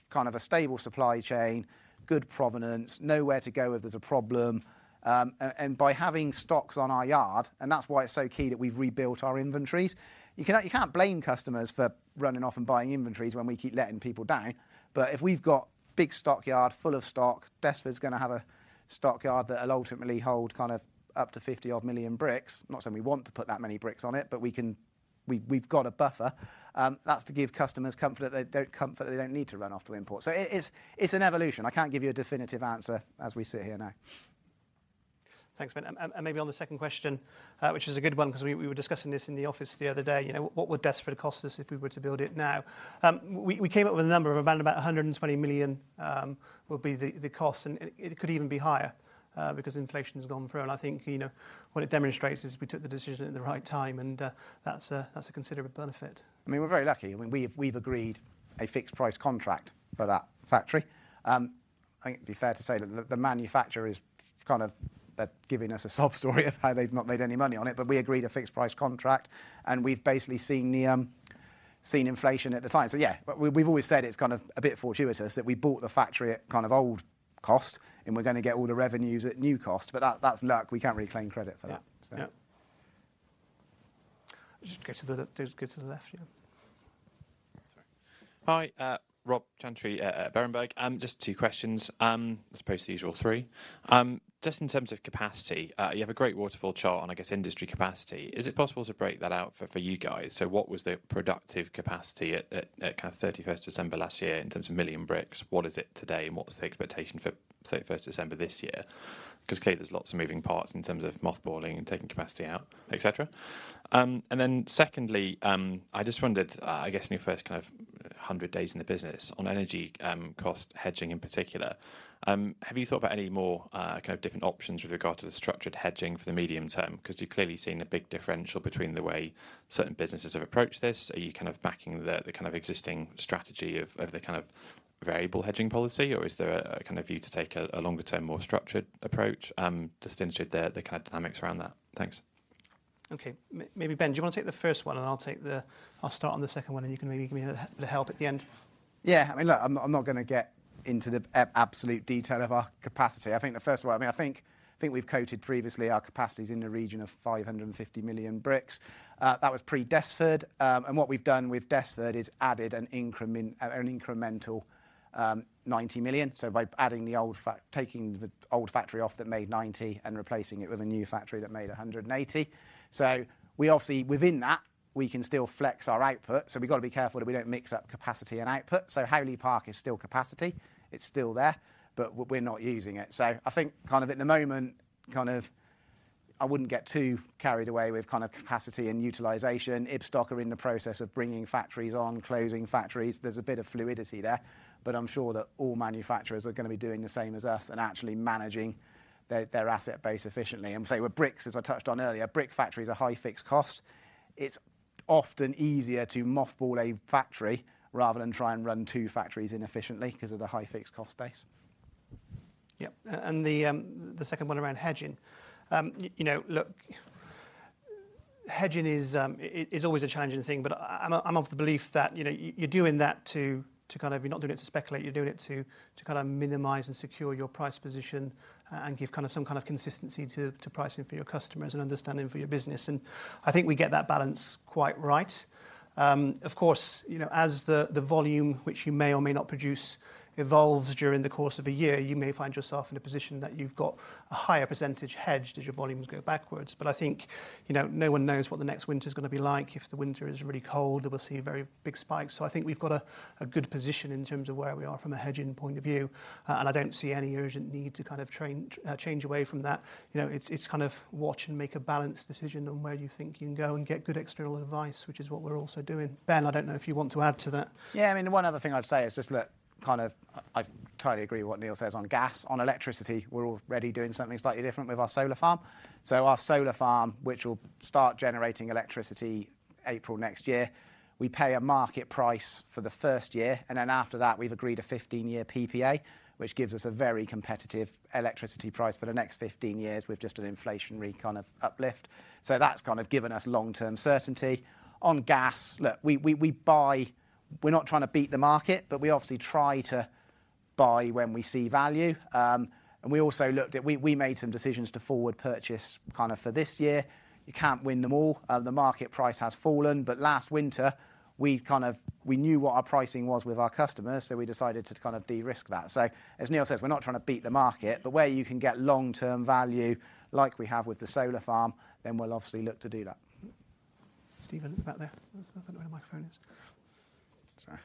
kind of a stable supply chain, good provenance, nowhere to go if there's a problem. And by having stocks on our yard, and that's why it's so key that we've rebuilt our inventories. You can't blame customers for running off and buying inventories when we keep letting people down. If we've got big stockyard full of stock, Desford's gonna have a stockyard that will ultimately hold kind of up to 50 odd million bricks. Not saying we want to put that many bricks on it, we've got a buffer. That's to give customers comfort that they don't need to run off to import. It's an evolution. I can't give you a definitive answer as we sit here now. Thanks, Ben. Maybe on the second question, which is a good one 'cause we were discussing this in the office the other day. You know, what would Desford cost us if we were to build it now? We, we came up with a number of around about 120 million, would be the cost, and it could even be higher, because inflation has gone through. I think, you know, what it demonstrates is we took the decision at the right time, and that's a considerable benefit. I mean, we're very lucky. I mean, we've agreed a fixed price contract for that factory. I think it'd be fair to say that the manufacturer is kind of giving us a sob story of how they've not made any money on it, but we agreed a fixed price contract, and we've basically seen inflation at the time. Yeah, we've always said it's kind of a bit fortuitous that we bought the factory at kind of old cost, and we're gonna get all the revenues at new cost. That's luck. We can't really claim credit for that. Yeah. So. Yeah. Just go to the left, yeah. Sorry. Hi, Robert Chantry at Berenberg. Just two questions, as opposed to the usual three. Just in terms of capacity, you have a great waterfall chart on, I guess, industry capacity. Is it possible to break that out for you guys? What was the productive capacity at kind of 31st December last year in terms of million bricks? What is it today, and what is the expectation for 31st December this year? Clearly there's lots of moving parts in terms of mothballing and taking capacity out, et cetera. Secondly, I just wondered, I guess in your first kind of 100 days in the business on energy, cost hedging in particular, have you thought about any more kind of different options with regard to the structured hedging for the medium term? You've clearly seen a big differential between the way certain businesses have approached this. Are you kind of backing the kind of existing strategy of the kind of variable hedging policy, or is there a kind of view to take a longer-term, more structured approach, just interested the kind of dynamics around that? Thanks. Okay. Maybe, Ben, do you want to take the first one, and I'll start on the second one, and you can maybe give me a help at the end. Yeah. I mean, look, I'm not, I'm not going to get into the absolute detail of our capacity. I think the first one, I mean, I think, I think we've quoted previously our capacity is in the region of 550 million bricks. That was pre-Desford. What we've done with Desford is added an incremental 90 million. By adding the old taking the old factory off that made 90 and replacing it with a new factory that made 180. We obviously, within that, we can still flex our output, so we've got to be careful that we don't mix up capacity and output. Howley Park is still capacity. It's still there, but we're not using it. I think kind of at the moment, kind of I wouldn't get too carried away with kind of capacity and utilization. Ibstock are in the process of bringing factories on, closing factories. There's a bit of fluidity there, but I'm sure that all manufacturers are gonna be doing the same as us and actually managing their asset base efficiently. With bricks, as I touched on earlier, brick factories are high fixed cost. It's often easier to mothball a factory rather than try and run two factories inefficiently because of the high fixed cost base. The second one around hedging. You know, look, hedging is always a challenging thing. I'm of the belief that, you know, you're not doing it to speculate, you're doing it to minimize and secure your price position and give kind of some kind of consistency to pricing for your customers and understanding for your business, and I think we get that balance quite right. Of course, you know, as the volume which you may or may not produce, evolves during the course of a year, you may find yourself in a position that you've got a higher percentage hedged as your volumes go backwards. I think, you know, no one knows what the next winter is gonna be like. If the winter is really cold, then we'll see a very big spike. I think we've got a good position in terms of where we are from a hedging point of view, and I don't see any urgent need to kind of change away from that. You know, it's kind of watch and make a balanced decision on where you think you can go and get good external advice, which is what we're also doing. Ben, I don't know if you want to add to that. Yeah, I mean, one other thing I'd say is just, look, kind of I entirely agree with what Neil says on gas. On electricity, we're already doing something slightly different with our solar farm. Our solar farm, which will start generating electricity April next year, we pay a market price for the first year, and then after that, we've agreed a 15-year PPA, which gives us a very competitive electricity price for the next 15 years with just an inflationary kind of uplift. That's kind of given us long-term certainty. On gas, look, we buy we're not trying to beat the market, but we obviously try to buy when we see value. We also looked at, we made some decisions to forward purchase kind of for this year. You can't win them all. The market price has fallen. Last winter, we kind of, we knew what our pricing was with our customers, so we decided to kind of de-risk that. As Neil says, we're not trying to beat the market, but where you can get long-term value, like we have with the solar farm, we'll obviously look to do that. Stephen, back there. I don't know where the microphone is. Sorry.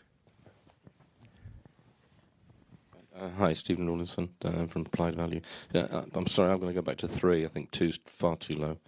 Hi, Stephen Rawlinson, from Applied Value. I'm sorry, I'm going to go back to three. I think two is far too low.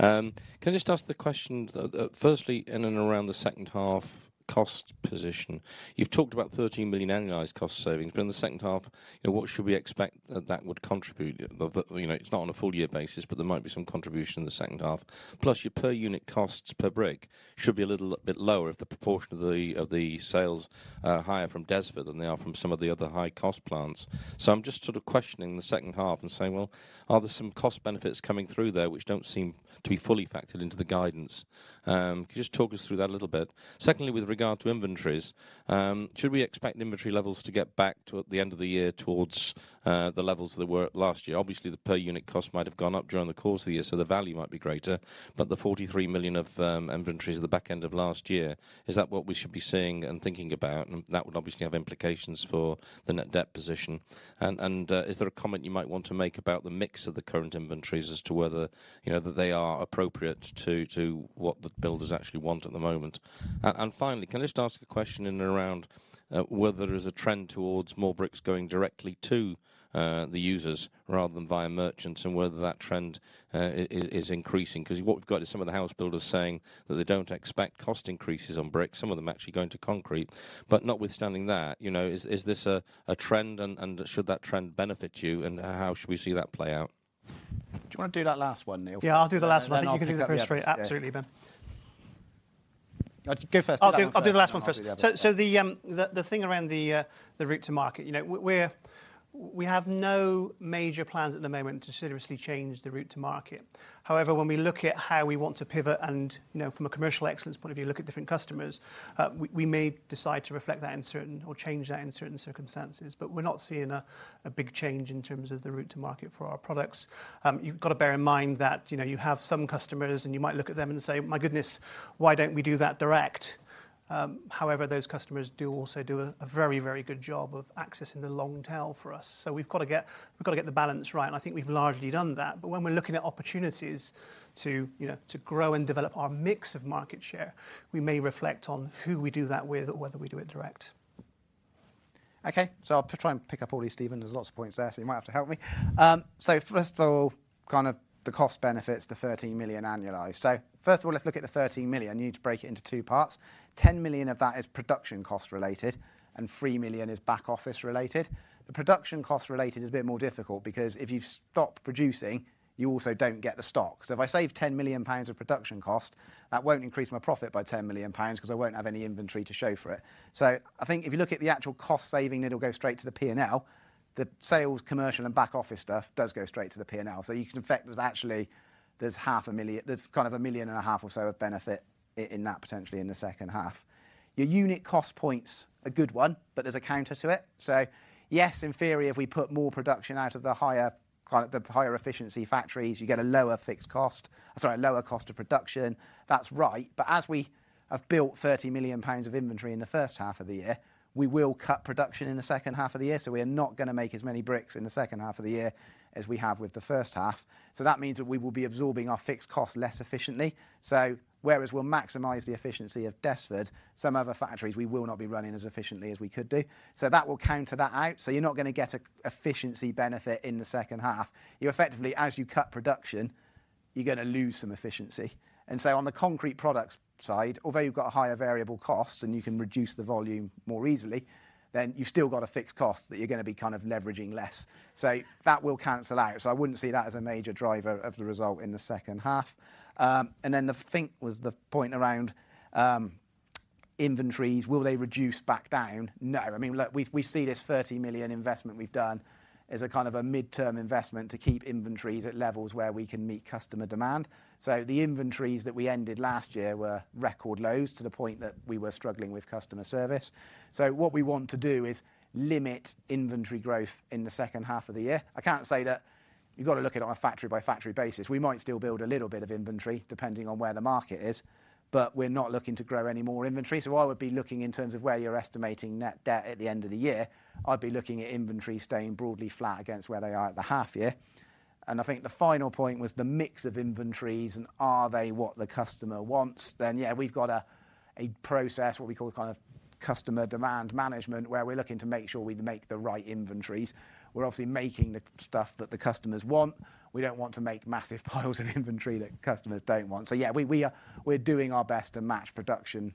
Can I just ask the question, firstly, in and around the second half cost position, you've talked about 13 million annualized cost savings, but in the second half, you know, what should we expect that that would contribute? You know, it's not on a full year basis, but there might be some contribution in the second half. Plus, your per unit costs per brick should be a little bit lower if the proportion of the sales are higher from Desford than they are from some of the other high-cost plants. I'm just sort of questioning the second half and saying, well, are there some cost benefits coming through there which don't seem to be fully factored into the guidance? Can you just talk us through that a little bit? Secondly, with regard to inventories, should we expect inventory levels to get back to at the end of the year towards the levels they were at last year? Obviously, the per unit cost might have gone up during the course of the year, so the value might be greater, but the 33 million of inventories at the back end of last year, is that what we should be seeing and thinking about? That would obviously have implications for the net debt position. Is there a comment you might want to make about the mix of the current inventories as to whether, you know, that they are appropriate to what the builders actually want at the moment? And finally, can I just ask a question in and around whether there is a trend towards more bricks going directly to the users rather than via merchants, and whether that trend is increasing? What we've got is some of the house builders saying that they don't expect cost increases on bricks, some of them actually going to concrete. Notwithstanding that, you know, is this a trend, and should that trend benefit you, and how should we see that play out? Do you want to do that last one, Neil? Yeah, I'll do the last one. You can pick up the first three. Absolutely, Ben. Go first. I'll do the last one first. Do the other. The thing around the route to market, you know, we have no major plans at the moment to seriously change the route to market. However, when we look at how we want to pivot and, you know, from a commercial excellence point of view, look at different customers, we may decide to reflect that in certain or change that in certain circumstances. We're not seeing a big change in terms of the route to market for our products. You've got to bear in mind that, you know, you have some customers, and you might look at them and say, My goodness, why don't we do that direct? However, those customers do also do a very, very good job of accessing the long tail for us. We've got to get the balance right, and I think we've largely done that. When we're looking at opportunities to, you know, to grow and develop our mix of market share, we may reflect on who we do that with or whether we do it direct. Okay, I'll try and pick up all these, Stephen. There's lots of points there. You might have to help me. First of all, kind of the cost benefits, the 13 million annualized. First of all, let's look at the 13 million. You need to break it into two parts. 10 million of that is production cost related, and 3 million is back office related. The production cost related is a bit more difficult because if you stop producing, you also don't get the stock. If I save 10 million pounds of production cost, that won't increase my profit by 10 million pounds because I won't have any inventory to show for it. I think if you look at the actual cost saving, it'll go straight to the P&L. The sales, commercial, and back office stuff does go straight to the P&L. You can affect that actually, there's half a million GBP, there's kind of 1.5 million GBP or so of benefit in that, potentially in the second half. Your unit cost point's a good one, but there's a counter to it. Yes, in theory, if we put more production out of the higher efficiency factories, you get a lower fixed cost, sorry, lower cost of production. That's right, but as we have built 30 million pounds of inventory in the first half of the year, we will cut production in the second half of the year, so we are not going to make as many bricks in the second half of the year as we have with the first half. That means that we will be absorbing our fixed cost less efficiently. Whereas we'll maximize the efficiency of Desford, some other factories, we will not be running as efficiently as we could do. That will counter that out, so you're not going to get an efficiency benefit in the second half. You effectively, as you cut production, you're going to lose some efficiency. On the concrete products side, although you've got a higher variable cost and you can reduce the volume more easily, then you've still got a fixed cost that you're going to be kind of leveraging less. That will cancel out, so I wouldn't see that as a major driver of the result in the second half. And then the think was the point around inventories, will they reduce back down? No. I mean, look, we've seen this 30 million investment we've done as a kind of a midterm investment to keep inventories at levels where we can meet customer demand. The inventories that we ended last year were record lows, to the point that we were struggling with customer service. What we want to do is limit inventory growth in the second half of the year. I can't say that. You've got to look at it on a factory-by-factory basis. We might still build a little bit of inventory, depending on where the market is, but we're not looking to grow any more inventory. I would be looking in terms of where you're estimating net debt at the end of the year. I'd be looking at inventory staying broadly flat against where they are at the half year. I think the final point was the mix of inventories and are they what the customer wants? Yeah, we've got a process, what we call kind of customer demand management, where we're looking to make sure we make the right inventories. We're obviously making the stuff that the customers want. We don't want to make massive piles of inventory that customers don't want. Yeah, we are, we're doing our best to match production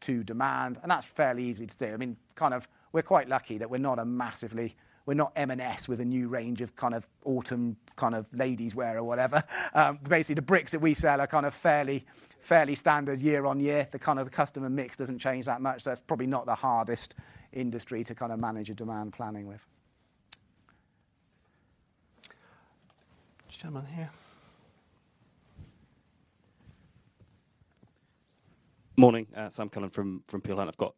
to demand, and that's fairly easy to do. I mean, kind of, we're quite lucky that we're not we're not M&S with a new range of kind of autumn kind of ladies wear or whatever. Basically, the bricks that we sell are kind of fairly standard year-on-year. The kind of the customer mix doesn't change that much, so that's probably not the hardest industry to kind of manage a demand planning with. Gentleman here? Morning, Sam Cullen from Peel Hunt. I've got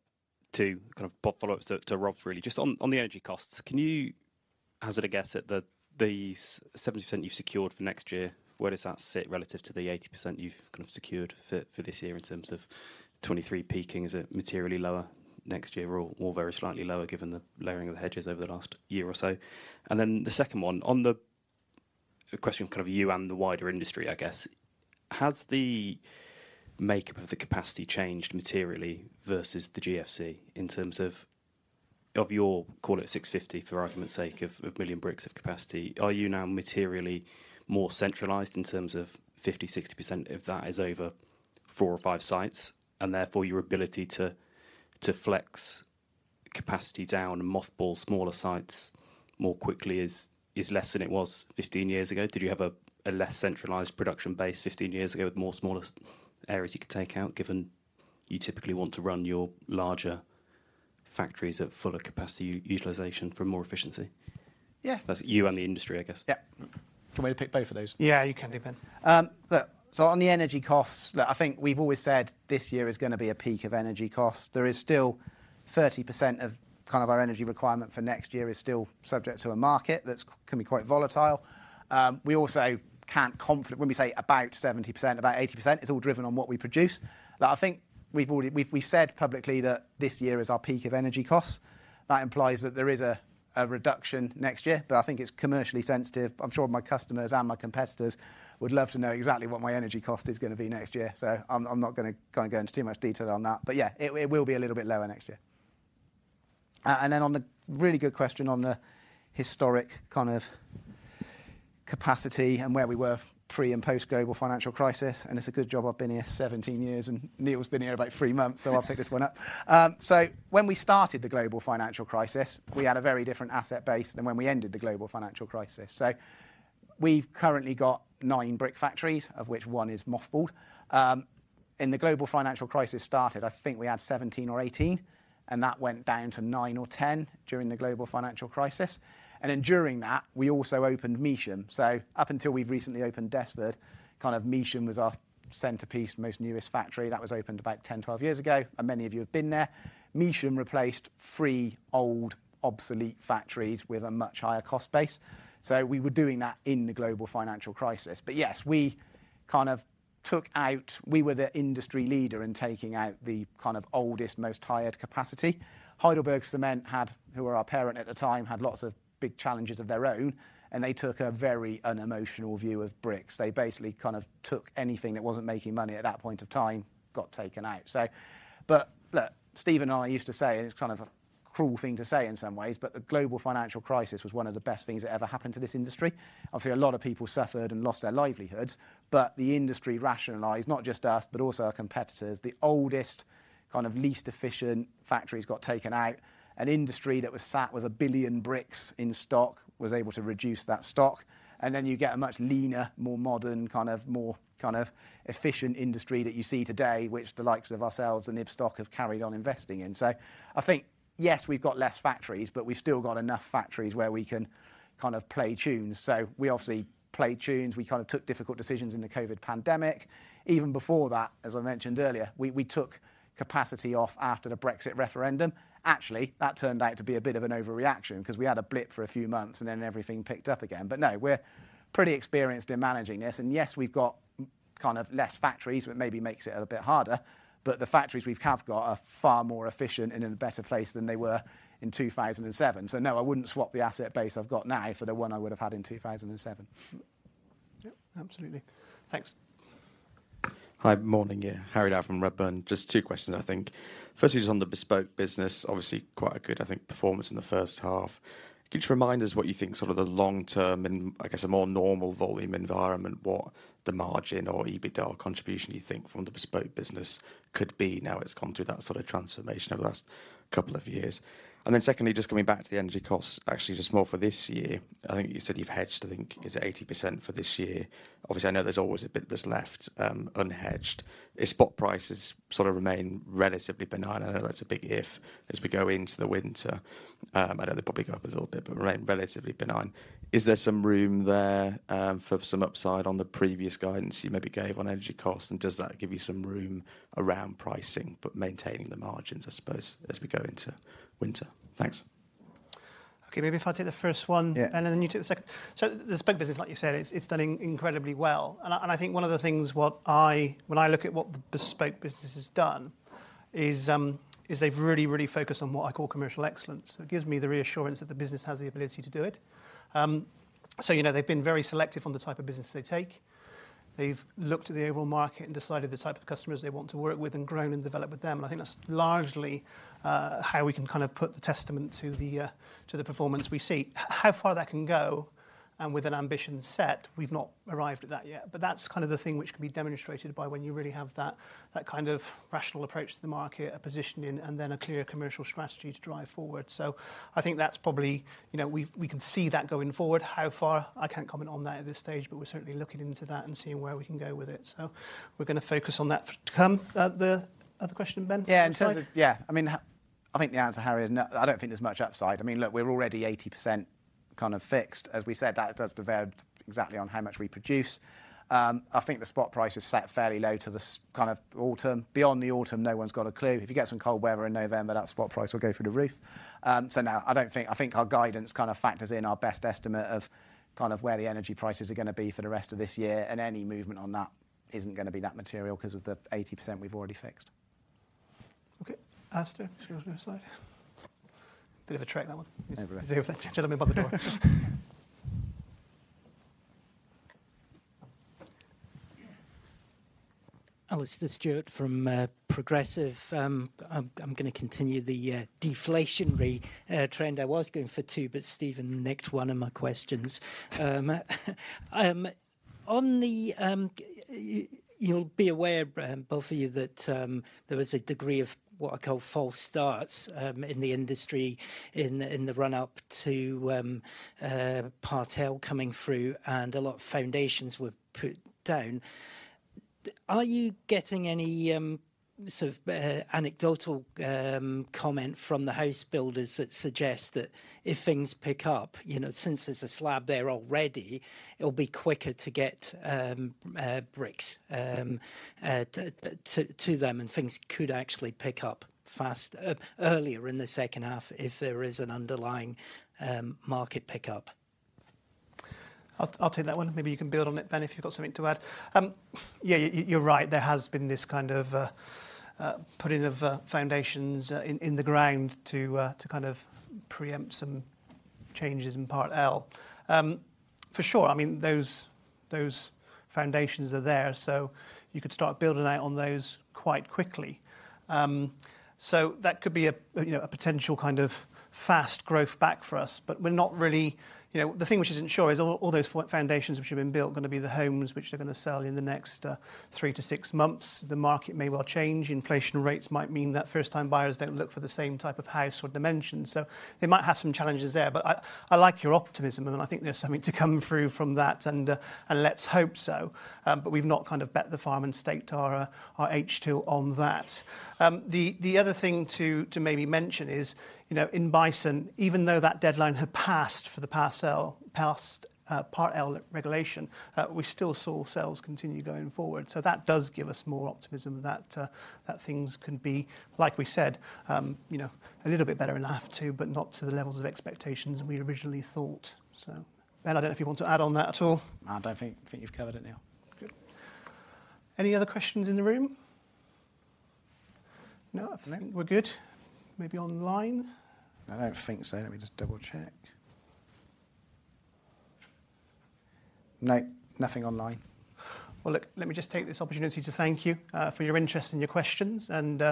two kind of pop follow-ups to Rob, really. Just on the energy costs, can you hazard a guess at the 70% you've secured for next year, where does that sit relative to the 80% you've kind of secured for this year in terms of 2023 peaking? Is it materially lower next year or very slightly lower given the layering of the hedges over the last year or so? The second one, on the question kind of you and the wider industry, I guess. Has the makeup of the capacity changed materially versus the GFC in terms of your, call it 650, for argument's sake, of million bricks of capacity, are you now materially more centralized in terms of 50%, 60% of that is over four or five sites, and therefore your ability to flex capacity down and mothball smaller sites more quickly is less than it was 15 years ago? Did you have a less centralized production base 15 years ago with more smaller areas you could take out, given you typically want to run your larger factories at fuller capacity utilization for more efficiency? Yeah. That's you and the industry, I guess. Yeah. Do you want me to pick both of those? You can do, Ben. Look, on the energy costs, look, I think we've always said this year is going to be a peak of energy costs. There is still 30% of kind of our energy requirement for next year is still subject to a market that can be quite volatile. When we say about 70%, about 80%, it's all driven on what we produce. I think we said publicly that this year is our peak of energy costs. That implies that there is a reduction next year. I think it's commercially sensitive. I'm sure my customers and my competitors would love to know exactly what my energy cost is going to be next year. I'm not going to kind of go into too much detail on that. Yeah, it will be a little bit lower next year. On the really good question on the historic kind of capacity and where we were pre and post-Global Financial Crisis, and it's a good job I've been here 17 years, and Neil's been here about three months, I'll pick this one up. When we started the Global Financial Crisis, we had a very different asset base than when we ended the Global Financial Crisis. We've currently got 9 brick factories, of which one is mothballed. When the Global Financial Crisis started, I think we had 17 or 18, and that went down to 9 or 10 during the Global Financial Crisis. During that, we also opened Measham. Up until we've recently opened Desford, kind of Measham was our centerpiece, most newest factory. That was opened about 10-12 years ago, and many of you have been there. Measham replaced three old, obsolete factories with a much higher cost base, so we were doing that in the global financial crisis. Yes, we kind of took out. We were the industry leader in taking out the kind of oldest, most tired capacity. HeidelbergCement had, who were our parent at the time, had lots of big challenges of their own, and they took a very unemotional view of bricks. They basically kind of took anything that wasn't making money at that point of time, got taken out. Look, Steve and I used to say, and it's kind of a cruel thing to say in some ways, but the global financial crisis was one of the best things that ever happened to this industry. Obviously, a lot of people suffered and lost their livelihoods, but the industry rationalized, not just us, but also our competitors. The oldest, kind of least efficient factories got taken out. An industry that was sat with 1 billion bricks in stock was able to reduce that stock, and then you get a much leaner, more modern, kind of more efficient industry that you see today, which the likes of ourselves and Ibstock have carried on investing in. I think, yes, we've got less factories, but we've still got enough factories where we can kind of play tunes. We obviously played tunes, we kind of took difficult decisions in the COVID pandemic. Even before that, as I mentioned earlier, we took capacity off after the Brexit referendum. Actually, that turned out to be a bit of an overreaction because we had a blip for a few months, then everything picked up again. No, we're pretty experienced in managing this. Yes, we've got kind of less factories, which maybe makes it a bit harder, but the factories we've have got are far more efficient and in a better place than they were in 2007. No, I wouldn't swap the asset base I've got now for the one I would have had in 2007. Yep, absolutely. Thanks. Hi. Morning, yeah. Harry Dow from Redburn. Just two questions, I think. Firstly, just on the bespoke business, obviously quite a good, I think, performance in the first half. Can you just remind us what you think sort of the long-term and, I guess, a more normal volume environment, what the margin or EBITDA contribution you think from the bespoke business could be now it's gone through that sort of transformation over the last two years? Secondly, just coming back to the energy costs, actually, just more for this year. I think you said you've hedged, I think, is it 80% for this year? Obviously, I know there's always a bit that's left unhedged. If spot prices sort of remain relatively benign, I know that's a big if, as we go into the winter, I know they probably go up a little bit, but relatively benign, is there some room there for some upside on the previous guidance you maybe gave on energy costs, and does that give you some room around pricing, but maintaining the margins, I suppose, as we go into winter? Thanks. Okay, maybe if I take the first one. Yeah. Then you take the second. The bespoke business, like you said, it's done incredibly well. I think one of the things when I look at what the bespoke business has done is they've really, really focused on what I call commercial excellence. It gives me the reassurance that the business has the ability to do it. So, you know, they've been very selective on the type of business they take. They've looked at the overall market and decided the type of customers they want to work with and grown and developed with them, and I think that's largely, how we can kind of put the testament to the performance we see. How far that can go and with an ambition set, we've not arrived at that yet. That's kind of the thing which can be demonstrated by when you really have that kind of rational approach to the market, a positioning, and then a clear commercial strategy to drive forward. I think that's probably, you know, we can see that going forward. How far, I can't comment on that at this stage, but we're certainly looking into that and seeing where we can go with it. We're going to focus on that to come. The other question, Ben, sorry? Yeah, I mean, I think the answer, Harry, is no, I don't think there's much upside. I mean, look, we're already 80% kind of fixed. As we said, that does depend exactly on how much we produce. I think the spot price is set fairly low to this kind of autumn. Beyond the autumn, no one's got a clue. If you get some cold weather in November, that spot price will go through the roof. No, I think our guidance kind of factors in our best estimate of kind of where the energy prices are gonna be for the rest of this year, and any movement on that isn't gonna be that material, 'cause of the 80% we've already fixed. Okay. Alastair, do you want to go to the next slide? Bit of a trick, that one. No worry. Gentleman by the door. Alastair Stewart from Progressive. I'm gonna continue the deflationary trend. I was going for two, but Steven nicked one of my questions. On the, you'll be aware, both of you, that there was a degree of what I call false starts in the industry in the run-up to Part L coming through, and a lot of foundations were put down. Are you getting any sort of anecdotal comment from the house builders that suggest that if things pick up, you know, since there's a slab there already, it'll be quicker to get bricks to them, and things could actually pick up fast earlier in the second half if there is an underlying market pickup? I'll take that one. Maybe you can build on it, Ben, if you've got something to add. Yeah, you're right, there has been this kind of putting of foundations in the ground to kind of preempt some changes in Part L. For sure, I mean, those foundations are there, you could start building out on those quite quickly. That could be a, you know, a potential kind of fast growth back for us, but we're not really. You know, the thing which isn't sure is all those foundations which have been built are gonna be the homes which they're gonna sell in the next three to six months. The market may well change. Inflation rates might mean that first-time buyers don't look for the same type of house or dimensions. They might have some challenges there, but I like your optimism, and I think there's something to come through from that, and let's hope so. We've not kind of bet the farm and staked our H2 on that. The other thing to maybe mention is, you know, in Bison, even though that deadline had passed for the Part L regulation, we still saw sales continue going forward, so that does give us more optimism that things can be, like we said, you know, a little bit better in half two, but not to the levels of expectations we originally thought so. Ben, I don't know if you want to add on that at all. I don't think. I think you've covered it now. Good. Any other questions in the room? No, I think we're good. Maybe online? I don't think so. Let me just double-check. No, nothing online. Look, let me just take this opportunity to thank you, for your interest and your questions, and,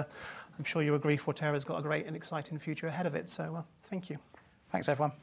I'm sure you agree Forterra's got a great and exciting future ahead of it. Thank you. Thanks, everyone.